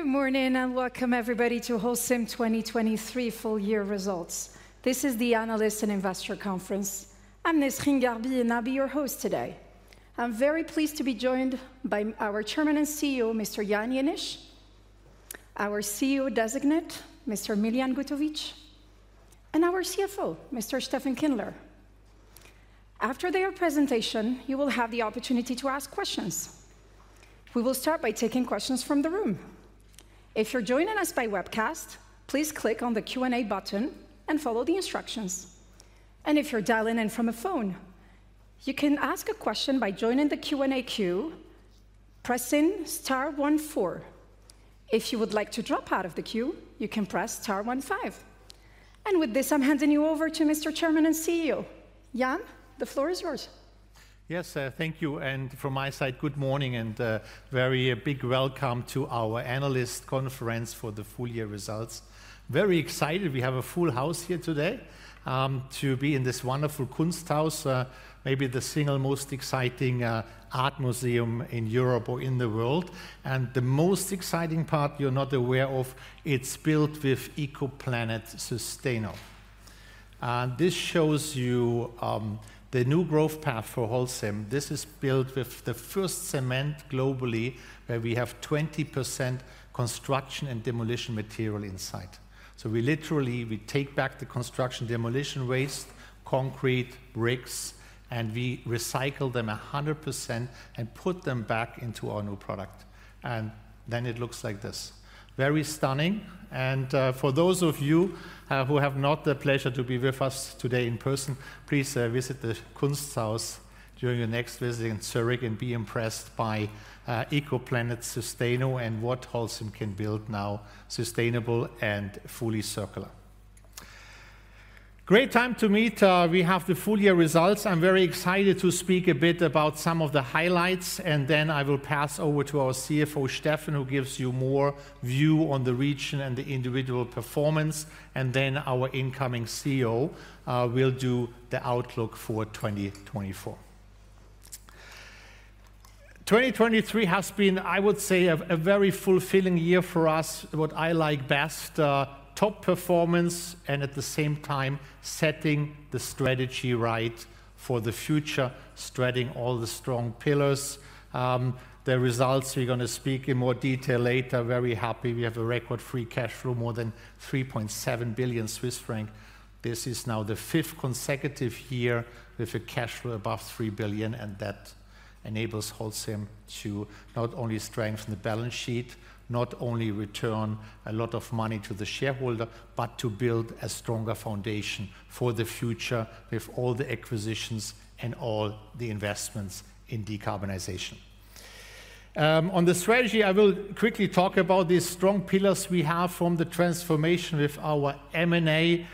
Good morning and welcome, everybody, to Holcim 2023 full-year results. This is the Analyst and Investor Conference. I'm Nesrine Gharbi, and I'll be your host today. I'm very pleased to be joined by our Chairman and CEO, Mr. Jan Jenisch, our CEO designate, Mr. Miljan Gutovic, and our CFO, Mr. Steffen Kindler. After their presentation, you will have the opportunity to ask questions. We will start by taking questions from the room. If you're joining us by webcast, please click on the Q&A button and follow the instructions. And if you're dialing in from a phone, you can ask a question by joining the Q&A queue, pressing star 14. If you would like to drop out of the queue, you can press star 15. And with this, I'm handing you over to Mr. Chairman and CEO Jan. The floor is yours. Yes, thank you. And from my side, good morning and a very big welcome to our Analyst Conference for the full year results. Very excited. We have a full house here today to be in this wonderful Kunsthaus, maybe the single most exciting art museum in Europe or in the world. And the most exciting part you're not aware of, it's built with ECOPlanet Sustaino. This shows you the new growth path for Holcim. This is built with the first cement globally where we have 20% construction and demolition material inside. So we literally take back the construction demolition waste, concrete, bricks, and we recycle them 100% and put them back into our new product. And then it looks like this. Very stunning. For those of you who have not the pleasure to be with us today in person, please visit the Kunsthaus during your next visit in Zurich and be impressed by ECOPlanet Sustaino and what Holcim can build now, sustainable and fully circular. Great time to meet. We have the full year results. I'm very excited to speak a bit about some of the highlights, and then I will pass over to our CFO, Steffen, who gives you more view on the region and the individual performance. And then our incoming CEO will do the outlook for 2024. 2023 has been, I would say, a very fulfilling year for us, what I like best, top performance, and at the same time setting the strategy right for the future, spreading all the strong pillars. The results we're going to speak in more detail later. Very happy. We have a record free cash flow of more than 3.7 billion Swiss franc. This is now the fifth consecutive year with a cash flow above 3 billion, and that enables Holcim to not only strengthen the balance sheet, not only return a lot of money to the shareholder, but to build a stronger foundation for the future with all the acquisitions and all the investments in decarbonization. On the strategy, I will quickly talk about these strong pillars we have from the transformation with our M&A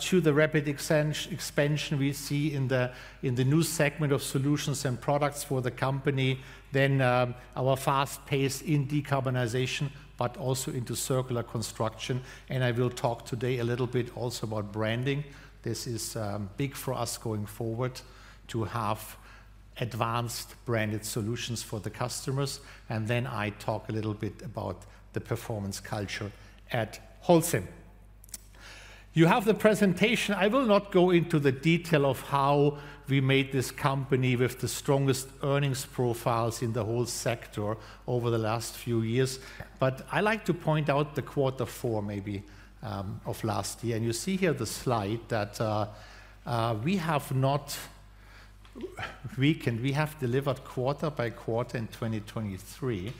to the rapid expansion we see in the new segment of solutions and products for the company, then our fast pace in decarbonization, but also into circular construction. And I will talk today a little bit also about branding. This is big for us going forward to have advanced branded solutions for the customers. Then I talk a little bit about the performance culture at Holcim. You have the presentation. I will not go into the detail of how we made this company with the strongest earnings profiles in the whole sector over the last few years. I like to point out the quarter four maybe of last year. You see here the slide that we have not weakened. We have delivered quarter by quarter in 2023.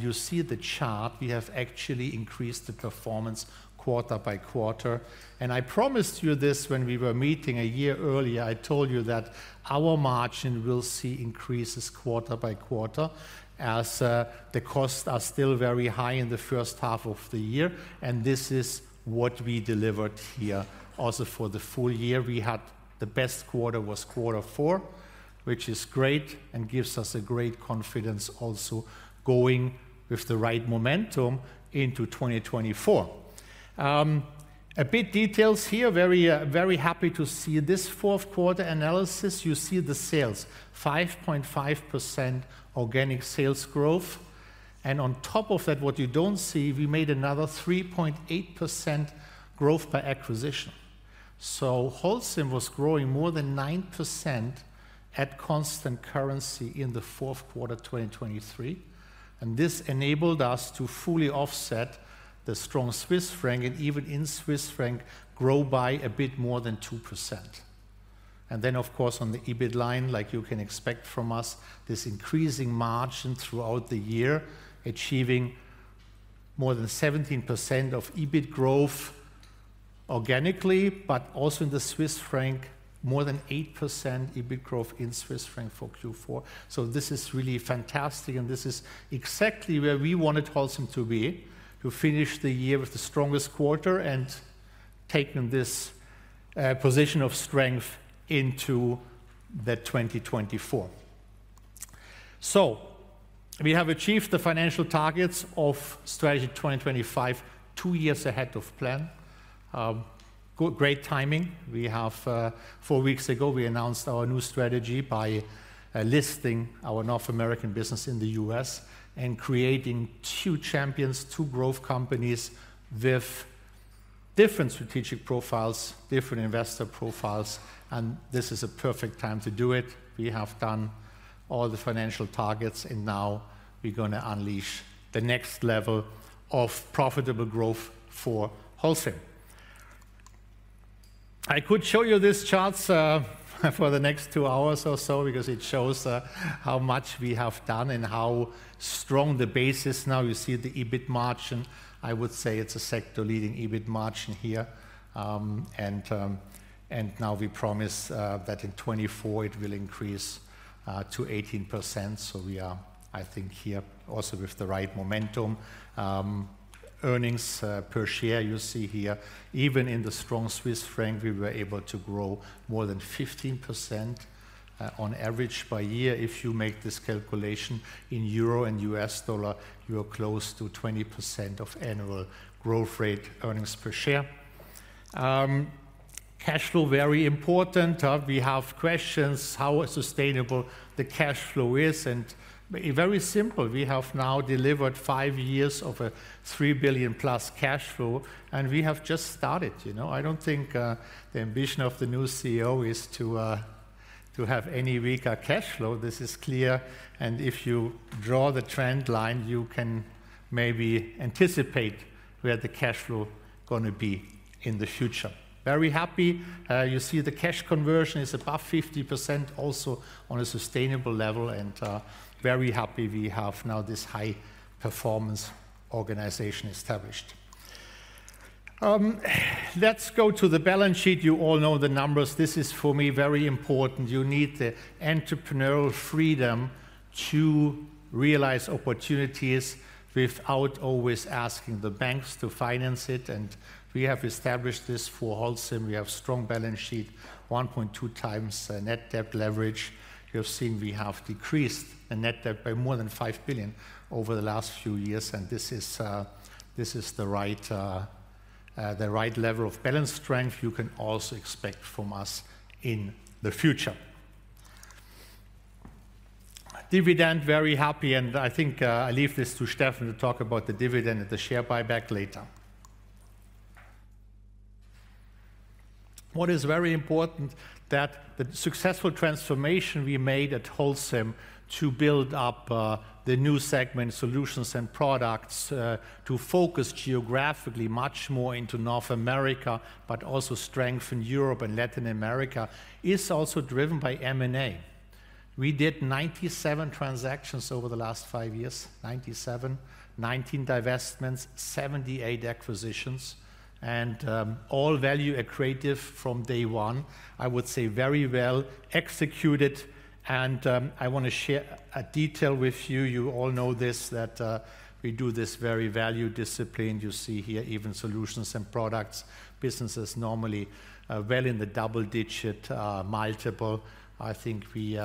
You see the chart. We have actually increased the performance quarter by quarter. I promised you this when we were meeting a year earlier. I told you that our margin will see increases quarter by quarter as the costs are still very high in the first half of the year. This is what we delivered here also for the full year. The best quarter was quarter four, which is great and gives us a great confidence also going with the right momentum into 2024. A bit details here. Very happy to see this Q4 analysis. You see the sales, 5.5% organic sales growth. And on top of that, what you don't see, we made another 3.8% growth by acquisition. So Holcim was growing more than 9% at constant currency in the Q4 2023. And this enabled us to fully offset the strong Swiss franc and even in Swiss franc grow by a bit more than 2%. And then, of course, on the EBIT line, like you can expect from us, this increasing margin throughout the year, achieving more than 17% of EBIT growth organically, but also in the Swiss franc, more than 8% EBIT growth in Swiss franc for Q4. So this is really fantastic. This is exactly where we wanted Holcim to be, to finish the year with the strongest quarter and taking this position of strength into that 2024. We have achieved the financial targets of Strategy 2025 two years ahead of plan. Great timing. Four weeks ago, we announced our new strategy by listing our North American business in the U.S. and creating two champions, two growth companies with different strategic profiles, different investor profiles. This is a perfect time to do it. We have done all the financial targets, and now we're going to unleash the next level of profitable growth for Holcim. I could show you these charts for the next two hours or so because it shows how much we have done and how strong the base is now. You see the EBIT margin. I would say it's a sector-leading EBIT margin here. Now we promise that in 2024, it will increase to 18%. So we are, I think, here also with the right momentum. Earnings per share, you see here, even in the strong Swiss franc, we were able to grow more than 15% on average by year. If you make this calculation in euro and US dollar, you are close to 20% of annual growth rate earnings per share. Cash flow, very important. We have questions how sustainable the cash flow is. Very simple. We have now delivered 5 years of a 3 billion+ cash flow, and we have just started. I don't think the ambition of the new CEO is to have any weaker cash flow. This is clear. If you draw the trend line, you can maybe anticipate where the cash flow is going to be in the future. Very happy. You see the cash conversion is above 50% also on a sustainable level. Very happy we have now this high performance organization established. Let's go to the balance sheet. You all know the numbers. This is, for me, very important. You need the entrepreneurial freedom to realize opportunities without always asking the banks to finance it. We have established this for Holcim. We have a strong balance sheet, 1.2x net debt leverage. You have seen we have decreased the net debt by more than 5 billion over the last few years. This is the right level of balance strength you can also expect from us in the future. Dividend, very happy. I think I'll leave this to Steffen to talk about the dividend and the share buyback later. What is very important is that the successful transformation we made at Holcim to build up the new segment solutions and products to focus geographically much more into North America, but also strengthen Europe and Latin America, is also driven by M&A. We did 97 transactions over the last five years, 97, 19 divestments, 78 acquisitions, and all value accretive from day one, I would say, very well executed. And I want to share a detail with you. You all know this, that we do this very value disciplined. You see here even solutions and products, businesses normally well in the double digit, multiple. I think we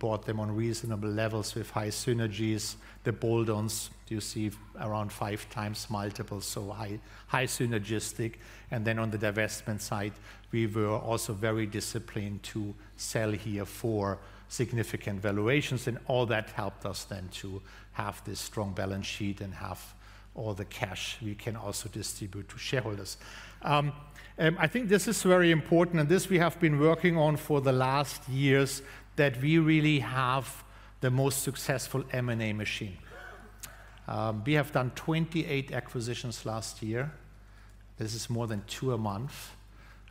bought them on reasonable levels with high synergies. The bolt-ons, you see, around five times multiple, so high synergistic. And then on the divestment side, we were also very disciplined to sell here for significant valuations. All that helped us then to have this strong balance sheet and have all the cash we can also distribute to shareholders. I think this is very important. This we have been working on for the last years, that we really have the most successful M&A machine. We have done 28 acquisitions last year. This is more than two a month.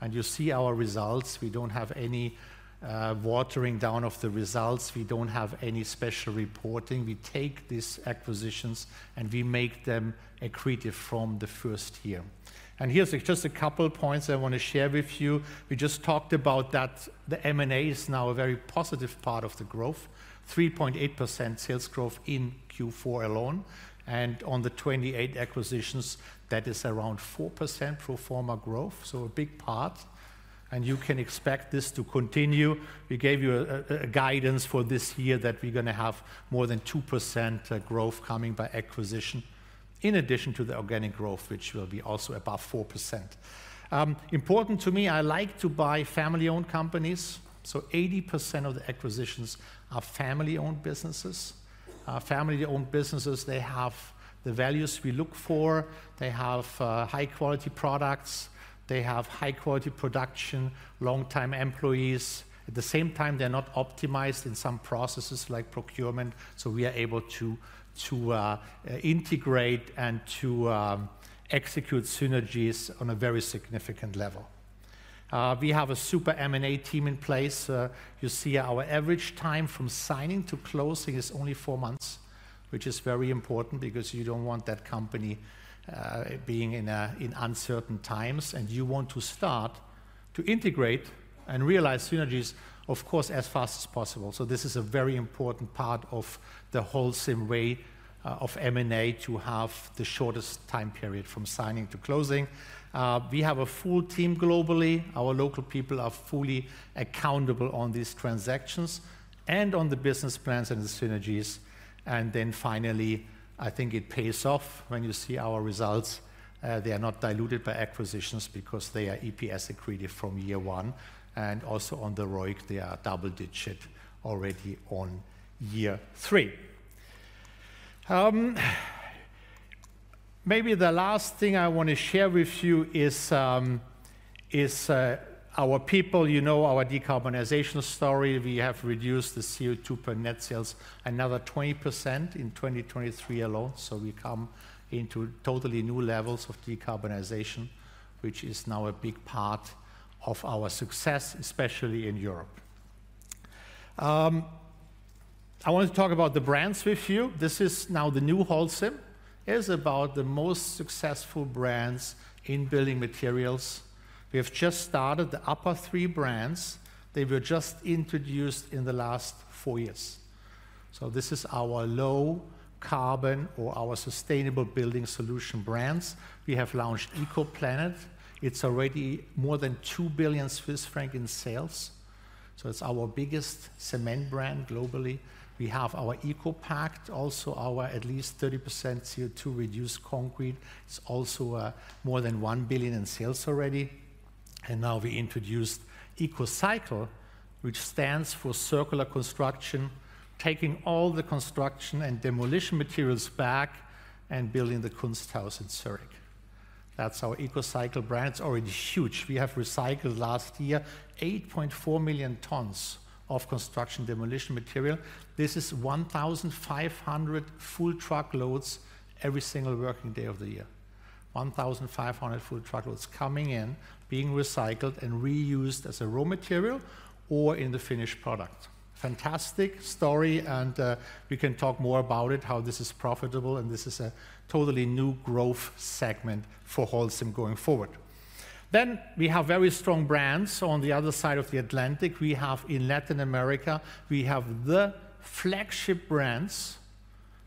You see our results. We don't have any watering down of the results. We don't have any special reporting. We take these acquisitions, and we make them accretive from the first year. Here's just a couple of points I want to share with you. We just talked about that the M&A is now a very positive part of the growth, 3.8% sales growth in Q4 alone. On the 28 acquisitions, that is around 4% pro forma growth, so a big part. You can expect this to continue. We gave you guidance for this year that we're going to have more than 2% growth coming by acquisition in addition to the organic growth, which will be also above 4%. Important to me, I like to buy family-owned companies. 80% of the acquisitions are family-owned businesses. Family-owned businesses, they have the values we look for. They have high-quality products. They have high-quality production, long-time employees. At the same time, they're not optimized in some processes like procurement. So we are able to integrate and to execute synergies on a very significant level. We have a super M&A team in place. You see our average time from signing to closing is only 4 months, which is very important because you don't want that company being in uncertain times. You want to start to integrate and realize synergies, of course, as fast as possible. This is a very important part of the Holcim way of M&A to have the shortest time period from signing to closing. We have a full team globally. Our local people are fully accountable on these transactions and on the business plans and the synergies. Then finally, I think it pays off when you see our results. They are not diluted by acquisitions because they are EPS accretive from year one. And also on the ROIC, they are double digit already on year three. Maybe the last thing I want to share with you is our people. You know our decarbonization story. We have reduced the CO2 per net sales another 20% in 2023 alone. So we come into totally new levels of decarbonization, which is now a big part of our success, especially in Europe. I want to talk about the brands with you. This is now the new Holcim. It's about the most successful brands in building materials. We have just started the upper three brands. They were just introduced in the last four years. So this is our low carbon or our sustainable building solution brands. We have launched ECOPlanet. It's already more than 2 billion Swiss francs in sales. So it's our biggest cement brand globally. We have our ECOPact, also our at least 30% CO2 reduced concrete. It's also more than 1 billion in sales already. And now we introduced ECOCycle, which stands for circular construction, taking all the construction and demolition materials back and building the Kunsthaus Zürich in Zurich. That's our ECOCycle brand. It's already huge. We have recycled last year 8.4 million tons of construction demolition material. This is 1,500 full truck loads every single working day of the year, 1,500 full truck loads coming in, being recycled and reused as a raw material or in the finished product. Fantastic story. And we can talk more about it, how this is profitable. And this is a totally new growth segment for Holcim going forward. We have very strong brands. So on the other side of the Atlantic, in Latin America, we have the flagship brands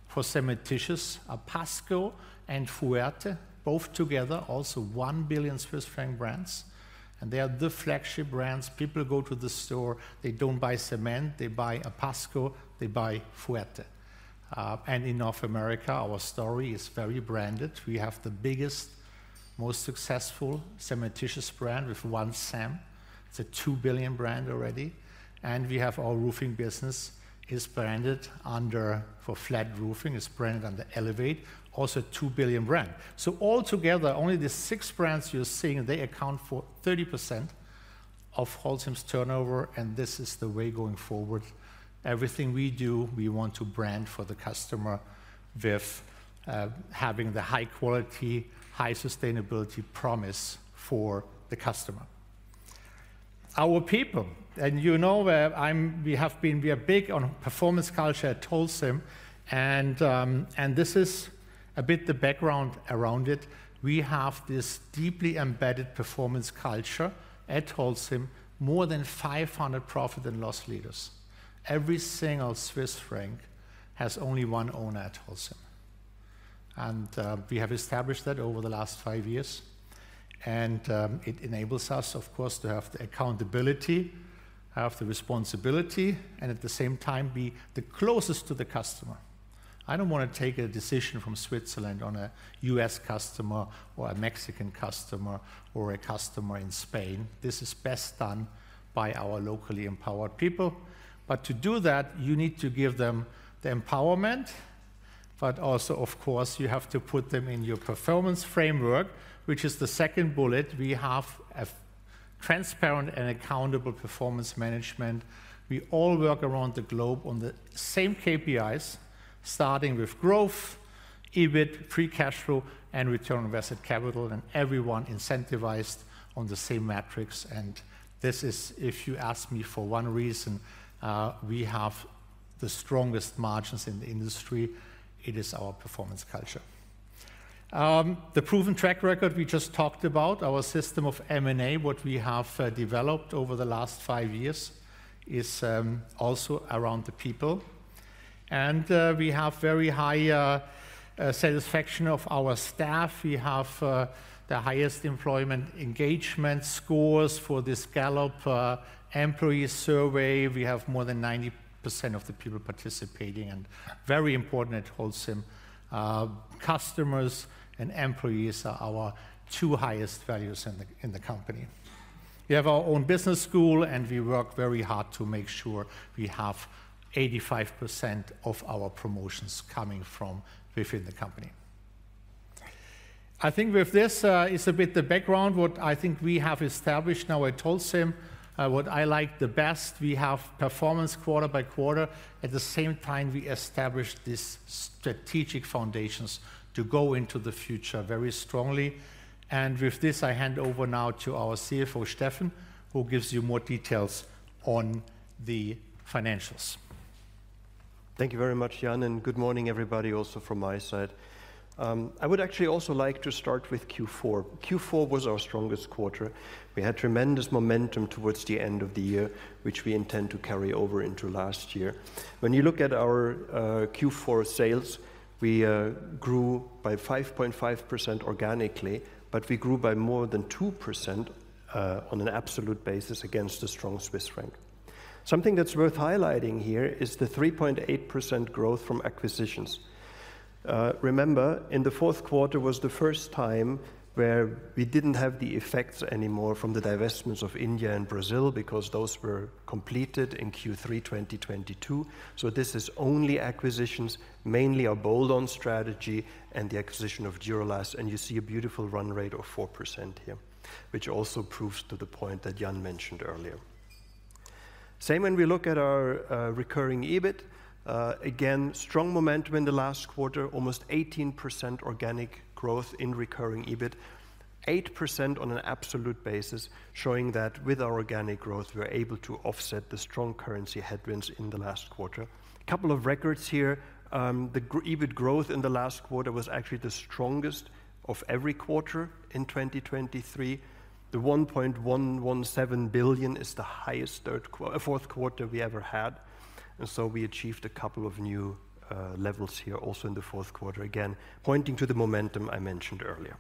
for cementitious, Apasco and Fuerte, both together, also 1 billion Swiss franc brands. And they are the flagship brands. People go to the store. They don't buy cement. They buy Apasco. They buy Fuerte. And in North America, our story is very branded. We have the biggest, most successful cementitious brand with OneCem. It's a 2 billion brand already. We have our roofing business. It's branded for flat roofing. It's branded under Elevate, also a 2 billion brand. So altogether, only the six brands you're seeing, they account for 30% of Holcim's turnover. And this is the way going forward. Everything we do, we want to brand for the customer with having the high quality, high sustainability promise for the customer. Our people, and you know we are big on performance culture at Holcim. And this is a bit the background around it. We have this deeply embedded performance culture at Holcim, more than 500 profit and loss leaders. Every single Swiss franc has only one owner at Holcim. And we have established that over the last five years. It enables us, of course, to have the accountability, have the responsibility, and at the same time, be the closest to the customer. I don't want to take a decision from Switzerland on a US customer or a Mexican customer or a customer in Spain. This is best done by our locally empowered people. To do that, you need to give them the empowerment. Also, of course, you have to put them in your performance framework, which is the second bullet. We have transparent and accountable performance management. We all work around the globe on the same KPIs, starting with growth, EBIT, free cash flow, and return on invested capital. Everyone is incentivized on the same metrics. If you ask me for one reason, we have the strongest margins in the industry. It is our performance culture. The proven track record we just talked about, our system of M&A, what we have developed over the last five years, is also around the people. We have very high satisfaction of our staff. We have the highest employment engagement scores for this Gallup employee survey. We have more than 90% of the people participating. Very important at Holcim, customers and employees are our two highest values in the company. We have our own business school, and we work very hard to make sure we have 85% of our promotions coming from within the company. I think with this is a bit the background. What I think we have established now at Holcim, what I like the best, we have performance quarter by quarter. At the same time, we established these strategic foundations to go into the future very strongly. With this, I hand over now to our CFO, Steffen, who gives you more details on the financials. Thank you very much, Jan. And good morning, everybody, also from my side. I would actually also like to start with Q4. Q4 was our strongest quarter. We had tremendous momentum towards the end of the year, which we intend to carry over into last year. When you look at our Q4 sales, we grew by 5.5% organically, but we grew by more than 2% on an absolute basis against the strong Swiss franc. Something that's worth highlighting here is the 3.8% growth from acquisitions. Remember, in the fourth quarter was the first time where we didn't have the effects anymore from the divestments of India and Brazil because those were completed in Q3 2022. So this is only acquisitions, mainly our bolt-on strategy and the acquisition of Duro-Last. And you see a beautiful run rate of 4% here, which also proves to the point that Jan mentioned earlier. Same when we look at our recurring EBIT. Again, strong momentum in the last quarter, almost 18% organic growth in recurring EBIT, 8% on an absolute basis, showing that with our organic growth, we were able to offset the strong currency headwinds in the last quarter. A couple of records here. The EBIT growth in the last quarter was actually the strongest of every quarter in 2023. The 1.117 billion is the highest Q4 we ever had. And so we achieved a couple of new levels here also in the Q4, again pointing to the momentum I mentioned earlier.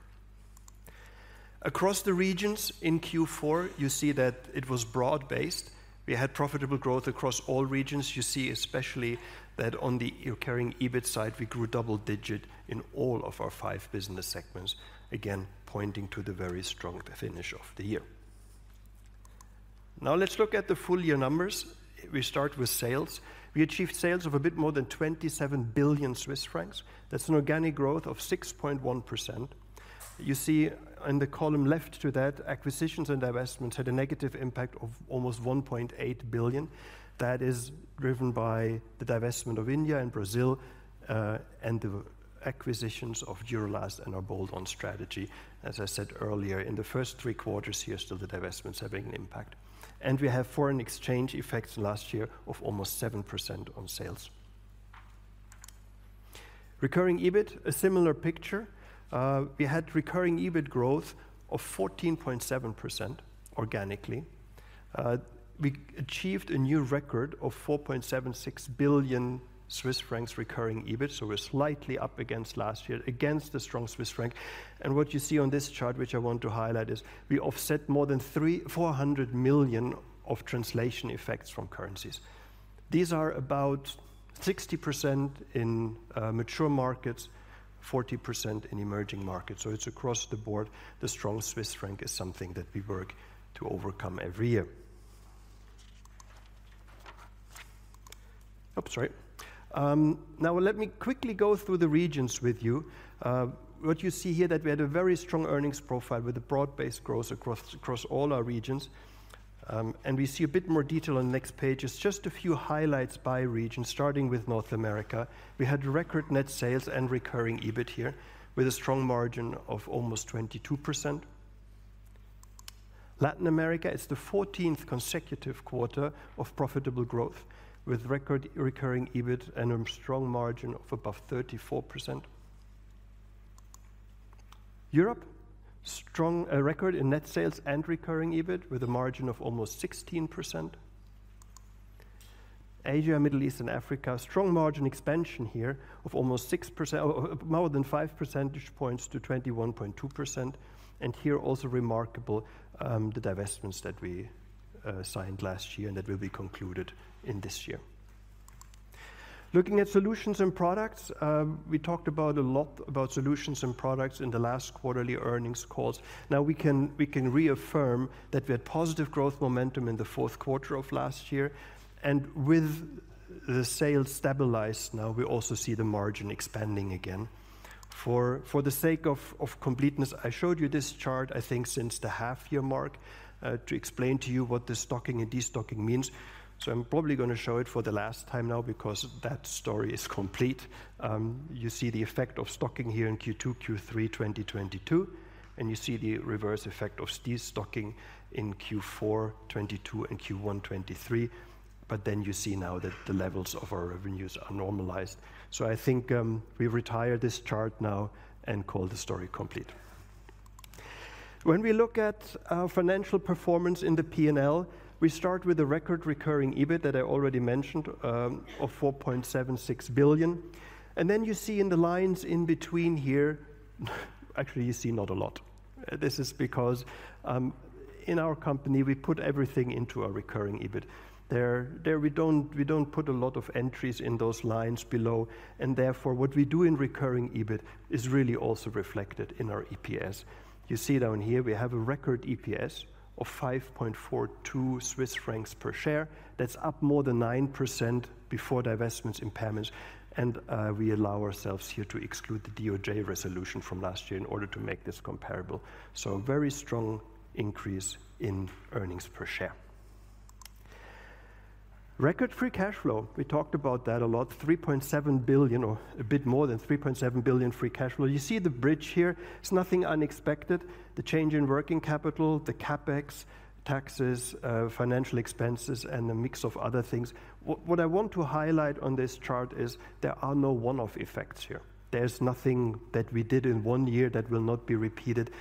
Across the regions in Q4, you see that it was broad-based. We had profitable growth across all regions. You see especially that on the recurring EBIT side, we grew double-digit in all of our five business segments, again pointing to the very strong finish of the year. Now let's look at the full year numbers. We start with sales. We achieved sales of a bit more than 27 billion Swiss francs. That's an organic growth of 6.1%. You see in the column left to that, acquisitions and divestments had a negative impact of almost 1.8 billion. That is driven by the divestment of India and Brazil and the acquisitions of Duro-Last and our bolt-on strategy. As I said earlier, in the first three quarters here, still the divestments having an impact. And we have foreign exchange effects last year of almost 7% on sales. Recurring EBIT, a similar picture. We had recurring EBIT growth of 14.7% organically. We achieved a new record of 4.76 billion Swiss francs recurring EBIT. So we're slightly up against last year, against the strong Swiss franc. What you see on this chart, which I want to highlight, is we offset more than 400 million of translation effects from currencies. These are about 60% in mature markets, 40% in emerging markets. So it's across the board. The strong Swiss franc is something that we work to overcome every year. Oops, sorry. Now let me quickly go through the regions with you. What you see here is that we had a very strong earnings profile with a broad-based growth across all our regions. And we see a bit more detail on the next page. It's just a few highlights by region, starting with North America. We had record net sales and recurring EBIT here with a strong margin of almost 22%. Latin America, it's the 14th consecutive quarter of profitable growth with record recurring EBIT and a strong margin of above 34%. Europe, a record in net sales and recurring EBIT with a margin of almost 16%. Asia, Middle East, and Africa, strong margin expansion here of almost 6%, more than five percentage points to 21.2%. And here also remarkable the divestments that we signed last year and that will be concluded in this year. Looking at solutions and products, we talked a lot about solutions and products in the last quarterly earnings calls. Now we can reaffirm that we had positive growth momentum in the Q4 of last year. And with the sales stabilized now, we also see the margin expanding again. For the sake of completeness, I showed you this chart, I think, since the half-year mark to explain to you what the stocking and destocking means. So I'm probably going to show it for the last time now because that story is complete. You see the effect of stocking here in Q2, Q3 2022. And you see the reverse effect of destocking in Q4, 2022, and Q1, 2023. But then you see now that the levels of our revenues are normalized. So I think we retire this chart now and call the story complete. When we look at financial performance in the P&L, we start with the record recurring EBIT that I already mentioned of 4.76 billion. And then you see in the lines in between here, actually, you see not a lot. This is because in our company, we put everything into our recurring EBIT. We don't put a lot of entries in those lines below. And therefore, what we do in recurring EBIT is really also reflected in our EPS. You see down here, we have a record EPS of 5.42 Swiss francs per share. That's up more than 9% before divestments impairments. We allow ourselves here to exclude the DOJ resolution from last year in order to make this comparable. So a very strong increase in earnings per share. Record free cash flow, we talked about that a lot, 3.7 billion or a bit more than 3.7 billion free cash flow. You see the bridge here. It's nothing unexpected. The change in working capital, the CapEx, taxes, financial expenses, and a mix of other things. What I want to highlight on this chart is there are no one-off effects here. There's nothing that we did in one year that will not be repeated.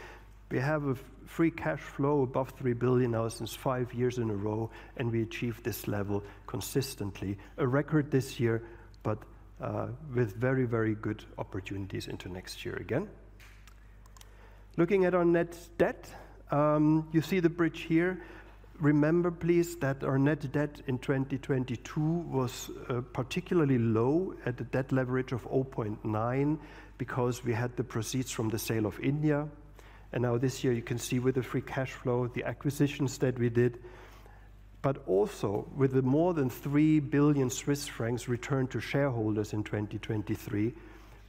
We have a free cash flow above 3 billion now since five years in a row. And we achieved this level consistently, a record this year, but with very, very good opportunities into next year again. Looking at our net debt, you see the bridge here. Remember, please, that our net debt in 2022 was particularly low at a debt leverage of 0.9 because we had the proceeds from the sale of India. And now this year, you can see with the free cash flow, the acquisitions that we did. But also, with the more than 3 billion Swiss francs returned to shareholders in 2023,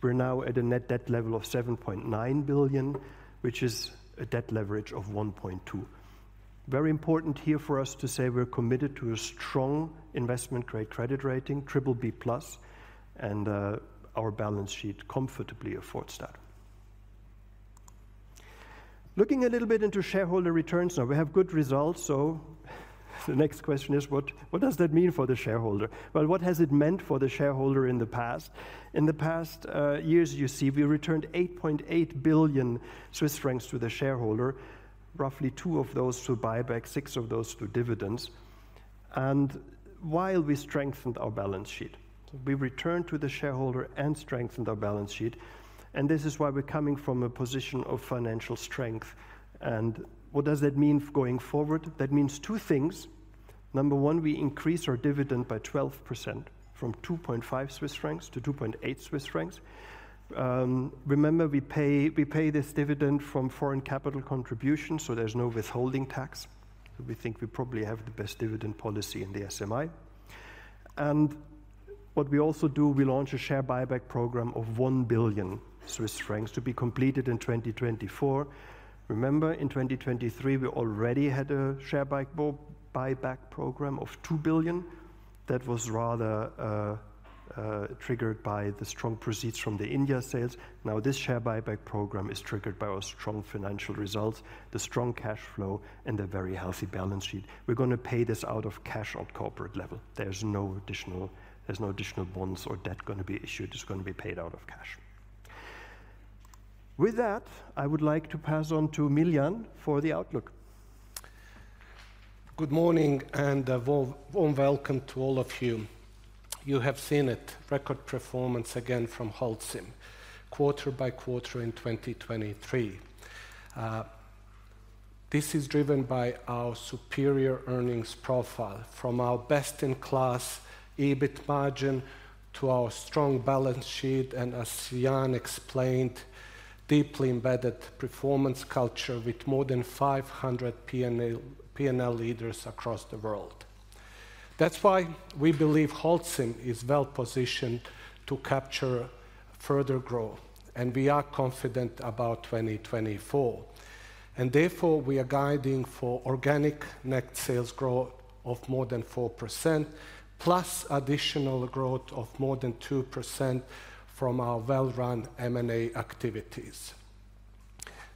we're now at a net debt level of 7.9 billion, which is a debt leverage of 1.2. Very important here for us to say we're committed to a strong investment-grade credit rating, BBB+. And our balance sheet comfortably affords that. Looking a little bit into shareholder returns now, we have good results. So the next question is, what does that mean for the shareholder? Well, what has it meant for the shareholder in the past? In the past years, you see we returned 8.8 billion Swiss francs to the shareholder, roughly 2 of those to buyback, 6 of those to dividends, while we strengthened our balance sheet. So we returned to the shareholder and strengthened our balance sheet. And this is why we're coming from a position of financial strength. And what does that mean going forward? That means 2 things. Number 1, we increase our dividend by 12% from 2.5 Swiss francs to 2.8 Swiss francs. Remember, we pay this dividend from foreign capital contributions. So there's no withholding tax. So we think we probably have the best dividend policy in the SMI. And what we also do, we launch a share buyback program of 1 billion Swiss francs to be completed in 2024. Remember, in 2023, we already had a share buyback program of 2 billion. That was rather triggered by the strong proceeds from the India sales. Now, this share buyback program is triggered by our strong financial results, the strong cash flow, and the very healthy balance sheet. We're going to pay this out of cash at corporate level. There's no additional bonds or debt going to be issued. It's going to be paid out of cash. With that, I would like to pass on to Miljan for the outlook. Good morning and warm welcome to all of you. You have seen it, record performance again from Holcim, quarter by quarter in 2023. This is driven by our superior earnings profile, from our best-in-class EBIT margin to our strong balance sheet and, as Jan explained, deeply embedded performance culture with more than 500 P&L leaders across the world. That's why we believe Holcim is well-positioned to capture further growth. And we are confident about 2024. And therefore, we are guiding for organic net sales growth of more than 4% plus additional growth of more than 2% from our well-run M&A activities.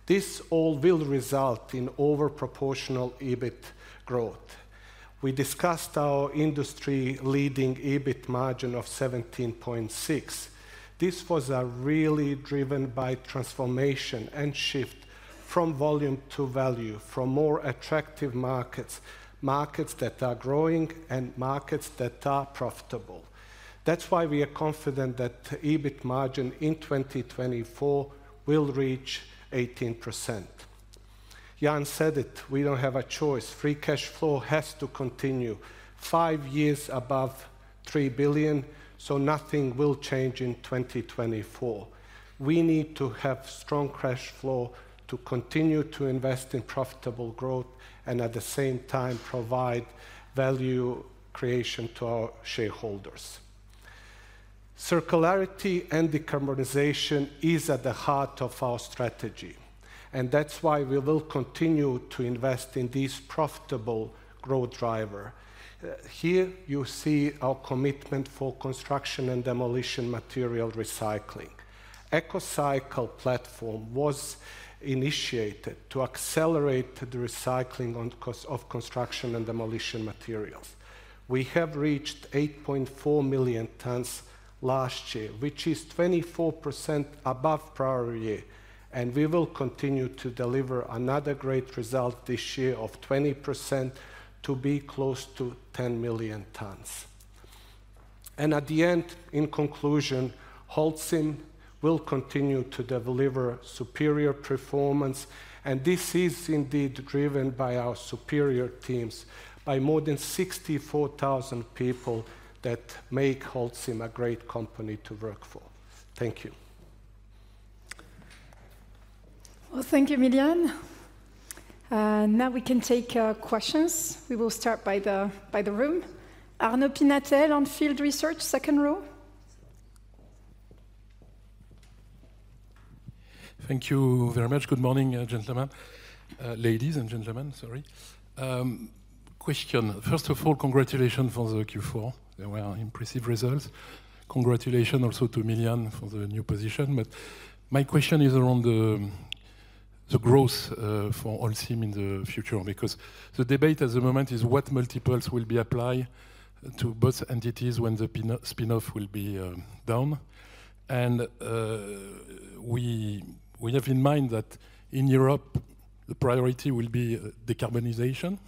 This all will result in overproportional EBIT growth. We discussed our industry-leading EBIT margin of 17.6%. This was really driven by transformation and shift from volume to value, from more attractive markets, markets that are growing, and markets that are profitable. That's why we are confident that EBIT margin in 2024 will reach 18%. Jan said it. We don't have a choice. Free cash flow has to continue five years above 3 billion. So nothing will change in 2024. We need to have strong cash flow to continue to invest in profitable growth and, at the same time, provide value creation to our shareholders. Circularity and decarbonization are at the heart of our strategy. And that's why we will continue to invest in this profitable growth driver. Here, you see our commitment for construction and demolition material recycling. ECOCycle platform was initiated to accelerate the recycling of construction and demolition materials. We have reached 8.4 million tons last year, which is 24% above prior year. And we will continue to deliver another great result this year of 20% to be close to 10 million tons. At the end, in conclusion, Holcim will continue to deliver superior performance. This is indeed driven by our superior teams, by more than 64,000 people that make Holcim a great company to work for. Thank you. Well, thank you, Miljan. Now we can take questions. We will start by the room. Arnaud Pinatel, On Field research, second row. Thank you very much. Good morning, ladies and gentlemen. Sorry. Question. First of all, congratulations for the Q4. There were impressive results. Congratulations also to Miljan for the new position. But my question is around the growth for Holcim in the future because the debate at the moment is what multiples will be applied to both entities when the spinoff will be down. And we have in mind that in Europe, the priority will be decarbonization.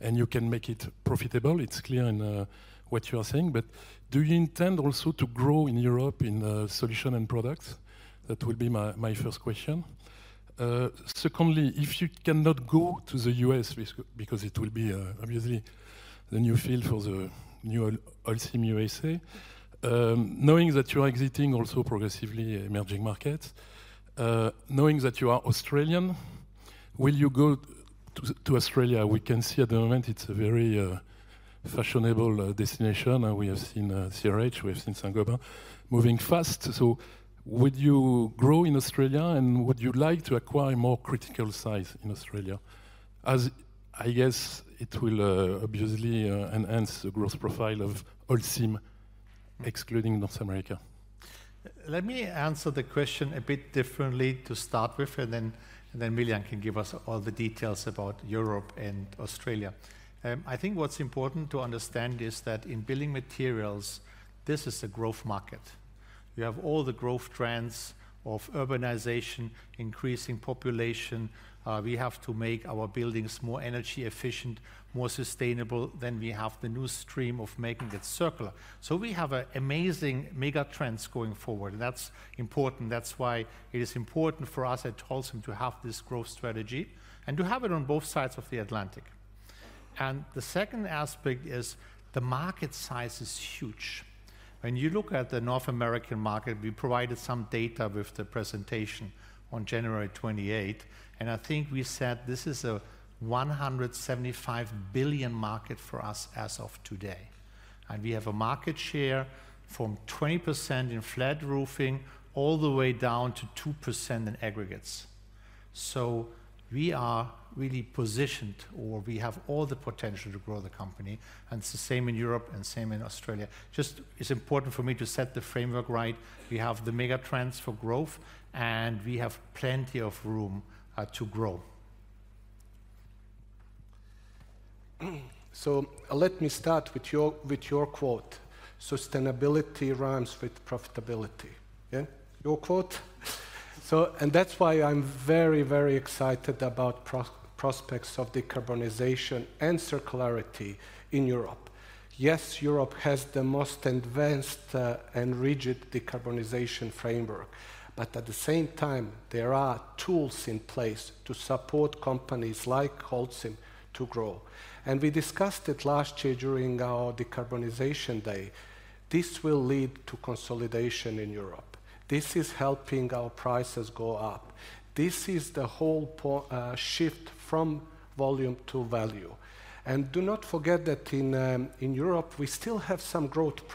And you can make it profitable. It's clear in what you are saying. But do you intend also to grow in Europe in solution and products? That will be my first question. Secondly, if you cannot go to the US because it will be obviously the new field for the new Holcim USA, knowing that you are exiting also progressively emerging markets, knowing that you are Australian, will you go to Australia? We can see at the moment, it's a very fashionable destination. We have seen CRH. We have seen Saint-Gobain moving fast. So would you grow in Australia? And would you like to acquire more critical size in Australia? I guess it will obviously enhance the growth profile of Holcim, excluding North America. Let me answer the question a bit differently to start with. Then Miljan can give us all the details about Europe and Australia. I think what's important to understand is that in building materials, this is a growth market. You have all the growth trends of urbanization, increasing population. We have to make our buildings more energy efficient, more sustainable. Then we have the new stream of making it circular. So we have amazing megatrends going forward. That's important. That's why it is important for us at Holcim to have this growth strategy and to have it on both sides of the Atlantic. The second aspect is the market size is huge. When you look at the North American market, we provided some data with the presentation on January 28. I think we said this is a $175 billion market for us as of today. We have a market share from 20% in flat roofing all the way down to 2% in aggregates. So we are really positioned, or we have all the potential to grow the company. It's the same in Europe and same in Australia. It's important for me to set the framework right. We have the megatrends for growth. We have plenty of room to grow. Let me start with your quote. Sustainability rhymes with profitability. Your quote. And that's why I'm very, very excited about prospects of decarbonization and circularity in Europe. Yes, Europe has the most advanced and rigid decarbonization framework. But at the same time, there are tools in place to support companies like Holcim to grow. And we discussed it last year during our Decarbonization Day. This will lead to consolidation in Europe. This is helping our prices go up. This is the whole shift from volume to value. And do not forget that in Europe, we still have some growth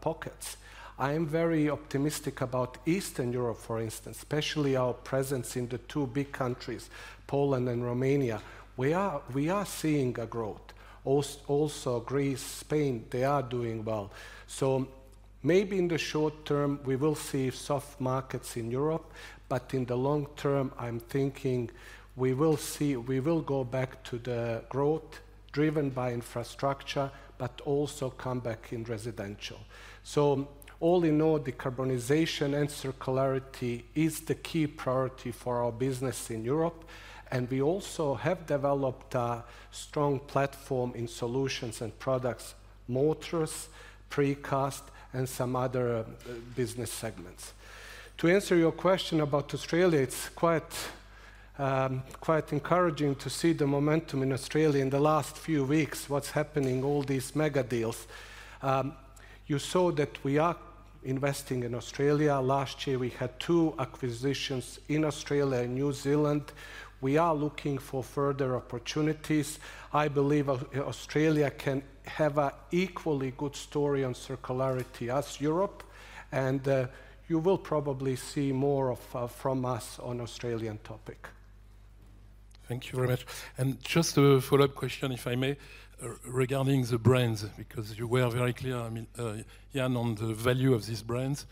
pockets. I am very optimistic about Eastern Europe, for instance, especially our presence in the two big countries, Poland and Romania. We are seeing a growth. Also, Greece, Spain, they are doing well. So maybe in the short term, we will see soft markets in Europe. In the long term, I'm thinking we will go back to the growth driven by infrastructure but also come back in residential. So all in all, decarbonization and circularity is the key priority for our business in Europe. And we also have developed a strong platform in solutions and products, mortars, precast, and some other business segments. To answer your question about Australia, it's quite encouraging to see the momentum in Australia in the last few weeks, what's happening, all these mega deals. You saw that we are investing in Australia. Last year, we had 2 acquisitions in Australia and New Zealand. We are looking for further opportunities. I believe Australia can have an equally good story on circularity as Europe. And you will probably see more from us on Australian topic. Thank you very much. Just a follow-up question, if I may, regarding the brands because you were very clear, Jan, on the value of these brands.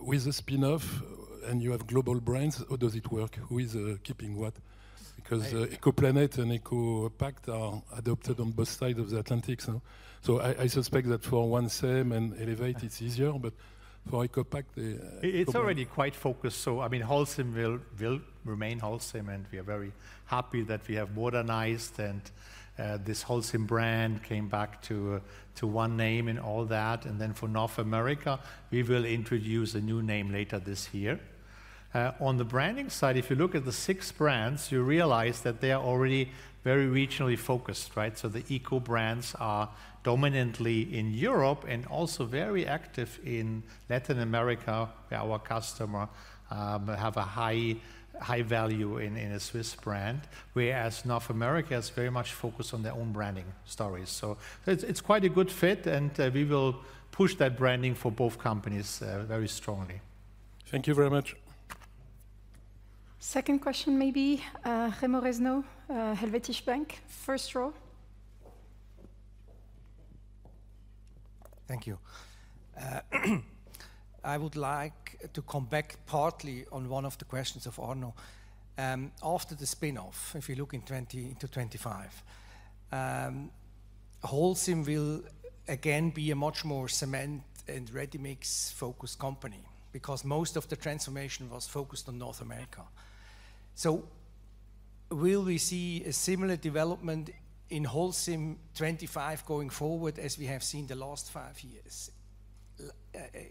With the spinoff and you have global brands, how does it work? Who is keeping what? Because ECOPlanet and ECOPact are adopted on both sides of the Atlantic. So I suspect that for 1SEM and Elevate, it's easier. But for ECOPact, they. It's already quite focused. So I mean, Holcim will remain Holcim. We are very happy that we have modernized. This Holcim brand came back to one name in all that. Then for North America, we will introduce a new name later this year. On the branding side, if you look at the six brands, you realize that they are already very regionally focused. So the eco brands are dominantly in Europe and also very active in Latin America. They're our customer. They have a high value in a Swiss brand. Whereas North America is very much focused on their own branding stories. So it's quite a good fit. We will push that branding for both companies very strongly. Thank you very much. Second question, maybe. Remo Reznow, Helvetische Bank, first row. Thank you. I would like to come back partly on one of the questions of Arnaud. After the spinoff, if you look into 2025, Holcim will again be a much more cement and ready-mix focused company because most of the transformation was focused on North America. So will we see a similar development in Holcim 2025 going forward as we have seen the last five years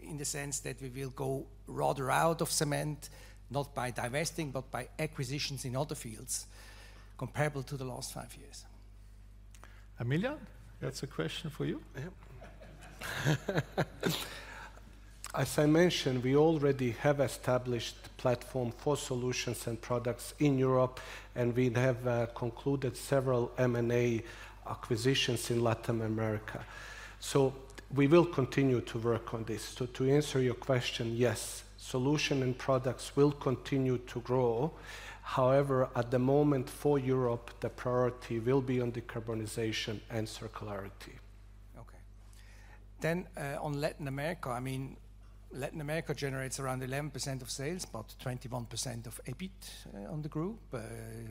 in the sense that we will go rather out of cement, not by divesting but by acquisitions in other fields comparable to the last five years? Miljan, that's a question for you. As I mentioned, we already have established platform for solutions and products in Europe. We have concluded several M&A acquisitions in Latin America. We will continue to work on this. To answer your question, yes, solution and products will continue to grow. However, at the moment, for Europe, the priority will be on decarbonization and circularity. Okay. Then on Latin America, I mean, Latin America generates around 11% of sales, about 21% of EBIT on the group,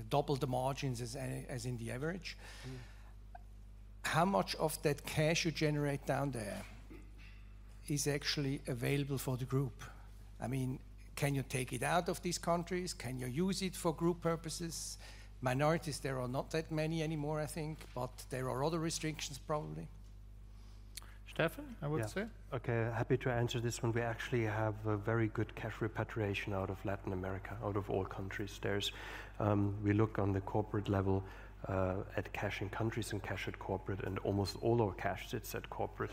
double the margins as in the average. How much of that cash you generate down there is actually available for the group? I mean, can you take it out of these countries? Can you use it for group purposes? Minorities, there are not that many anymore, I think. But there are other restrictions, probably. Steffen, I would say? Yeah. Okay. Happy to answer this one. We actually have a very good cash repatriation out of Latin America, out of all countries. We look on the corporate level at cash in countries and cash at corporate. And almost all our cash sits at corporate,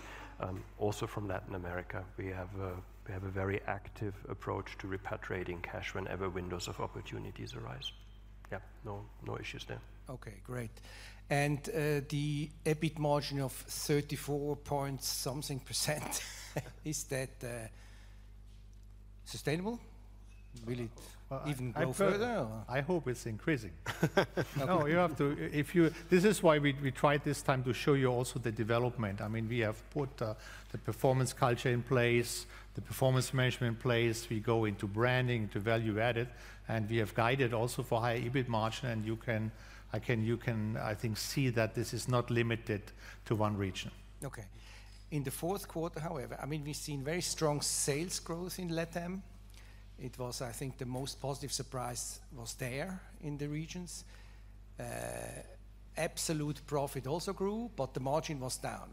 also from Latin America. We have a very active approach to repatriating cash whenever windows of opportunities arise. Yeah. No issues there. Okay. Great. The EBIT margin of 34-point-something%, is that sustainable? Will it even grow further? I hope it's increasing. No, you have to. This is why we tried this time to show you also the development. I mean, we have put the performance culture in place, the performance management in place. We go into branding, into value added. We have guided also for high EBIT margin. I think you can see that this is not limited to one region. Okay. In the Q4, however, I mean, we've seen very strong sales growth in LATAM. I think the most positive surprise was there in the regions. Absolute profit also grew. But the margin was down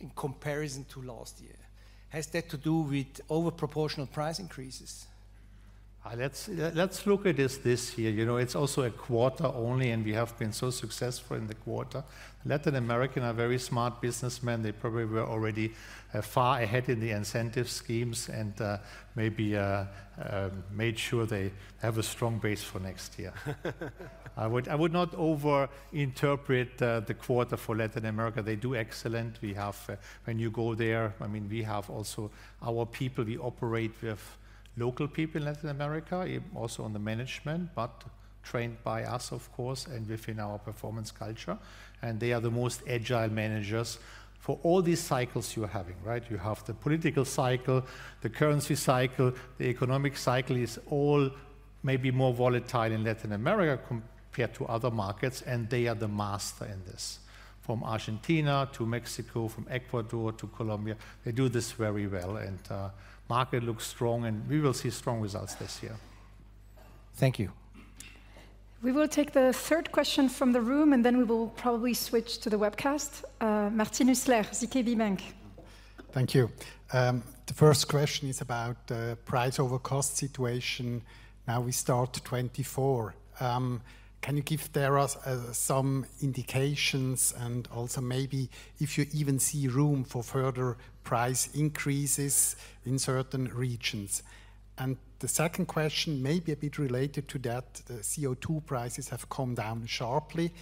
in comparison to last year. Has that to do with overproportional price increases? Let's look at this year. It's also a quarter only. We have been so successful in the quarter. Latin American are very smart businessmen. They probably were already far ahead in the incentive schemes and maybe made sure they have a strong base for next year. I would not overinterpret the quarter for Latin America. They do excellent. When you go there, I mean, we have also our people. We operate with local people in Latin America, also on the management but trained by us, of course, and within our performance culture. They are the most agile managers for all these cycles you're having. You have the political cycle, the currency cycle, the economic cycle. It's all maybe more volatile in Latin America compared to other markets. They are the master in this, from Argentina to Mexico, from Ecuador to Colombia. They do this very well. The market looks strong. We will see strong results this year. Thank you. We will take the third question from the room. Then we will probably switch to the webcast. Martin Hüsler, ZKB Bank. Thank you. The first question is about the price-over-cost situation. Now we start 2024. Can you give us some indications and also maybe if you even see room for further price increases in certain regions? And the second question, maybe a bit related to that, the CO2 prices have come down sharply.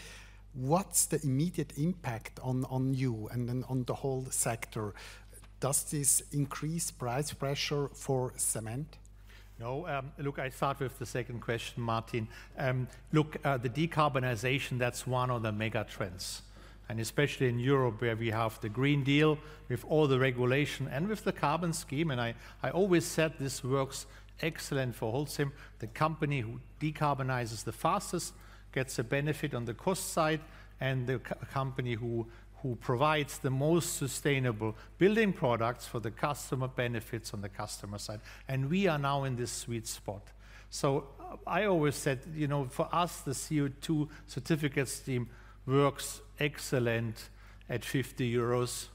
What's the immediate impact on you and then on the whole sector? Does this increase price pressure for cement? No. Look, I start with the second question, Martin. Look, the decarbonization, that's one of the megatrends. And especially in Europe, where we have the Green Deal, with all the regulation and with the carbon scheme and I always said this works excellent for Holcim. The company who decarbonizes the fastest gets a benefit on the cost side. And the company who provides the most sustainable building products for the customer benefits on the customer side. And we are now in this sweet spot. So I always said, for us, the CO2 certificate scheme works excellent at 50 euros.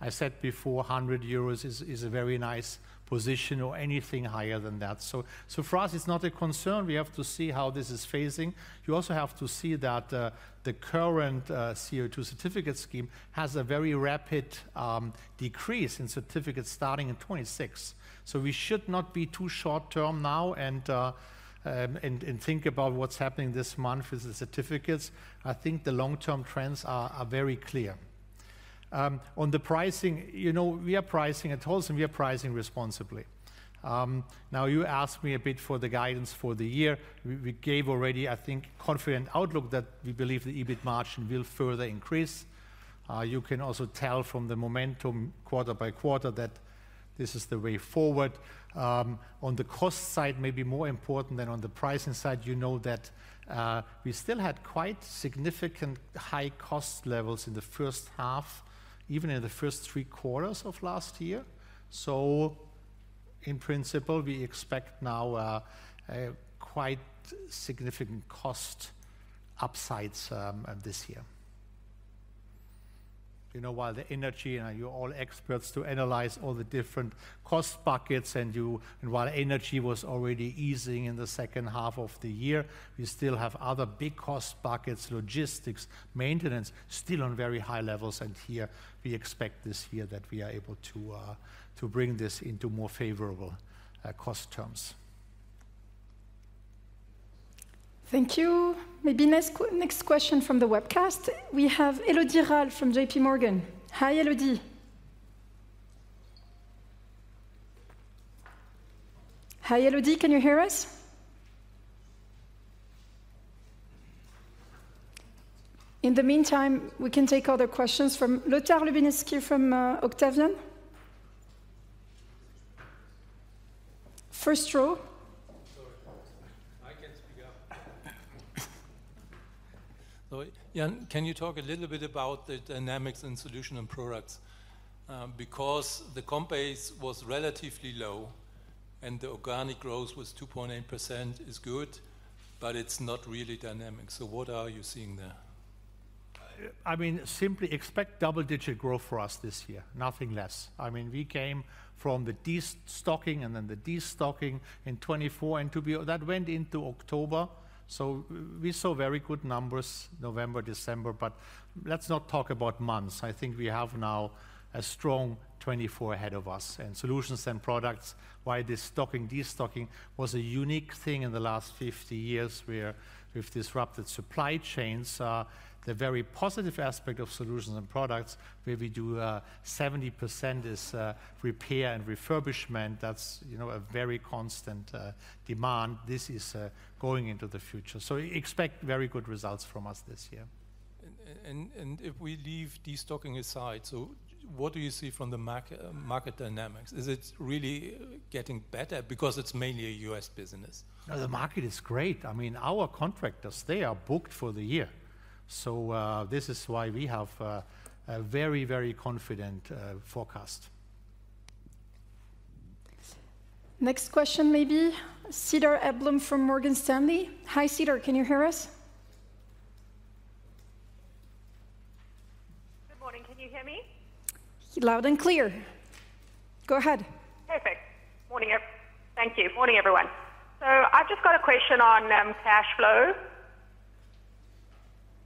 I said before, 100 euros is a very nice position or anything higher than that. So for us, it's not a concern. We have to see how this is phasing. You also have to see that the current CO2 certificate scheme has a very rapid decrease in certificates starting in 2026. So we should not be too short-term now and think about what's happening this month with the certificates. I think the long-term trends are very clear. On the pricing, we are pricing at Holcim. We are pricing responsibly. Now, you asked me a bit for the guidance for the year. We gave already, I think, a confident outlook that we believe the EBIT margin will further increase. You can also tell from the momentum quarter by quarter that this is the way forward. On the cost side, maybe more important than on the pricing side, you know that we still had quite significant high cost levels in the first half, even in the first three quarters of last year. So in principle, we expect now quite significant cost upsides this year. While the energy and you're all experts to analyze all the different cost buckets, and while energy was already easing in the second half of the year, we still have other big cost buckets, logistics, maintenance, still on very high levels. Here, we expect this year that we are able to bring this into more favorable cost terms. Thank you. Maybe next question from the webcast. We have Élodie Rall from JP Morgan. Hi, Élodie. Hi, Élodie. Can you hear us? In the meantime, we can take other questions from Lothar Lubinowski from Octavian. First row. Sorry. I can speak up. Jan, can you talk a little bit about the dynamics in Solutions and Products? Because the comps was relatively low. The organic growth was 2.8% is good. But it's not really dynamic. What are you seeing there? I mean, simply expect double-digit growth for us this year, nothing less. I mean, we came from the destocking and then the destocking in 2024. That went into October. We saw very good numbers November, December. Let's not talk about months. I think we have now a strong 2024 ahead of us. Solutions and products, why this stocking, destocking was a unique thing in the last 50 years with disrupted supply chains. The very positive aspect of solutions and products, where we do 70% is repair and refurbishment, that's a very constant demand. This is going into the future. Expect very good results from us this year. If we leave destocking aside, so what do you see from the market dynamics? Is it really getting better because it's mainly a U.S. business? No, the market is great. I mean, our contractors, they are booked for the year. So this is why we have a very, very confident forecast. Next question, maybe. Cedar Eblum from Morgan Stanley. Hi, Cedar. Can you hear us? Good morning. Can you hear me? Loud and clear. Go ahead. Perfect. Thank you. Morning, everyone. So I've just got a question on cash flow.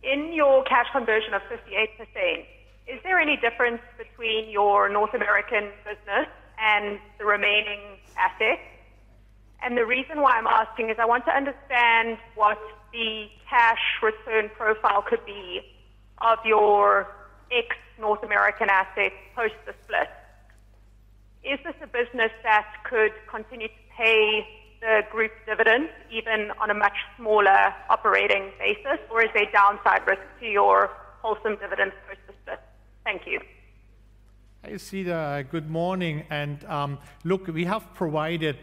In your cash conversion of 58%, is there any difference between your North American business and the remaining assets? And the reason why I'm asking is I want to understand what the cash return profile could be of your ex-North American assets post the split. Is this a business that could continue to pay the group dividends even on a much smaller operating basis? Or is there downside risk to your Holcim dividends post the split? Thank you. Hi, Cedar. Good morning. Look, we have provided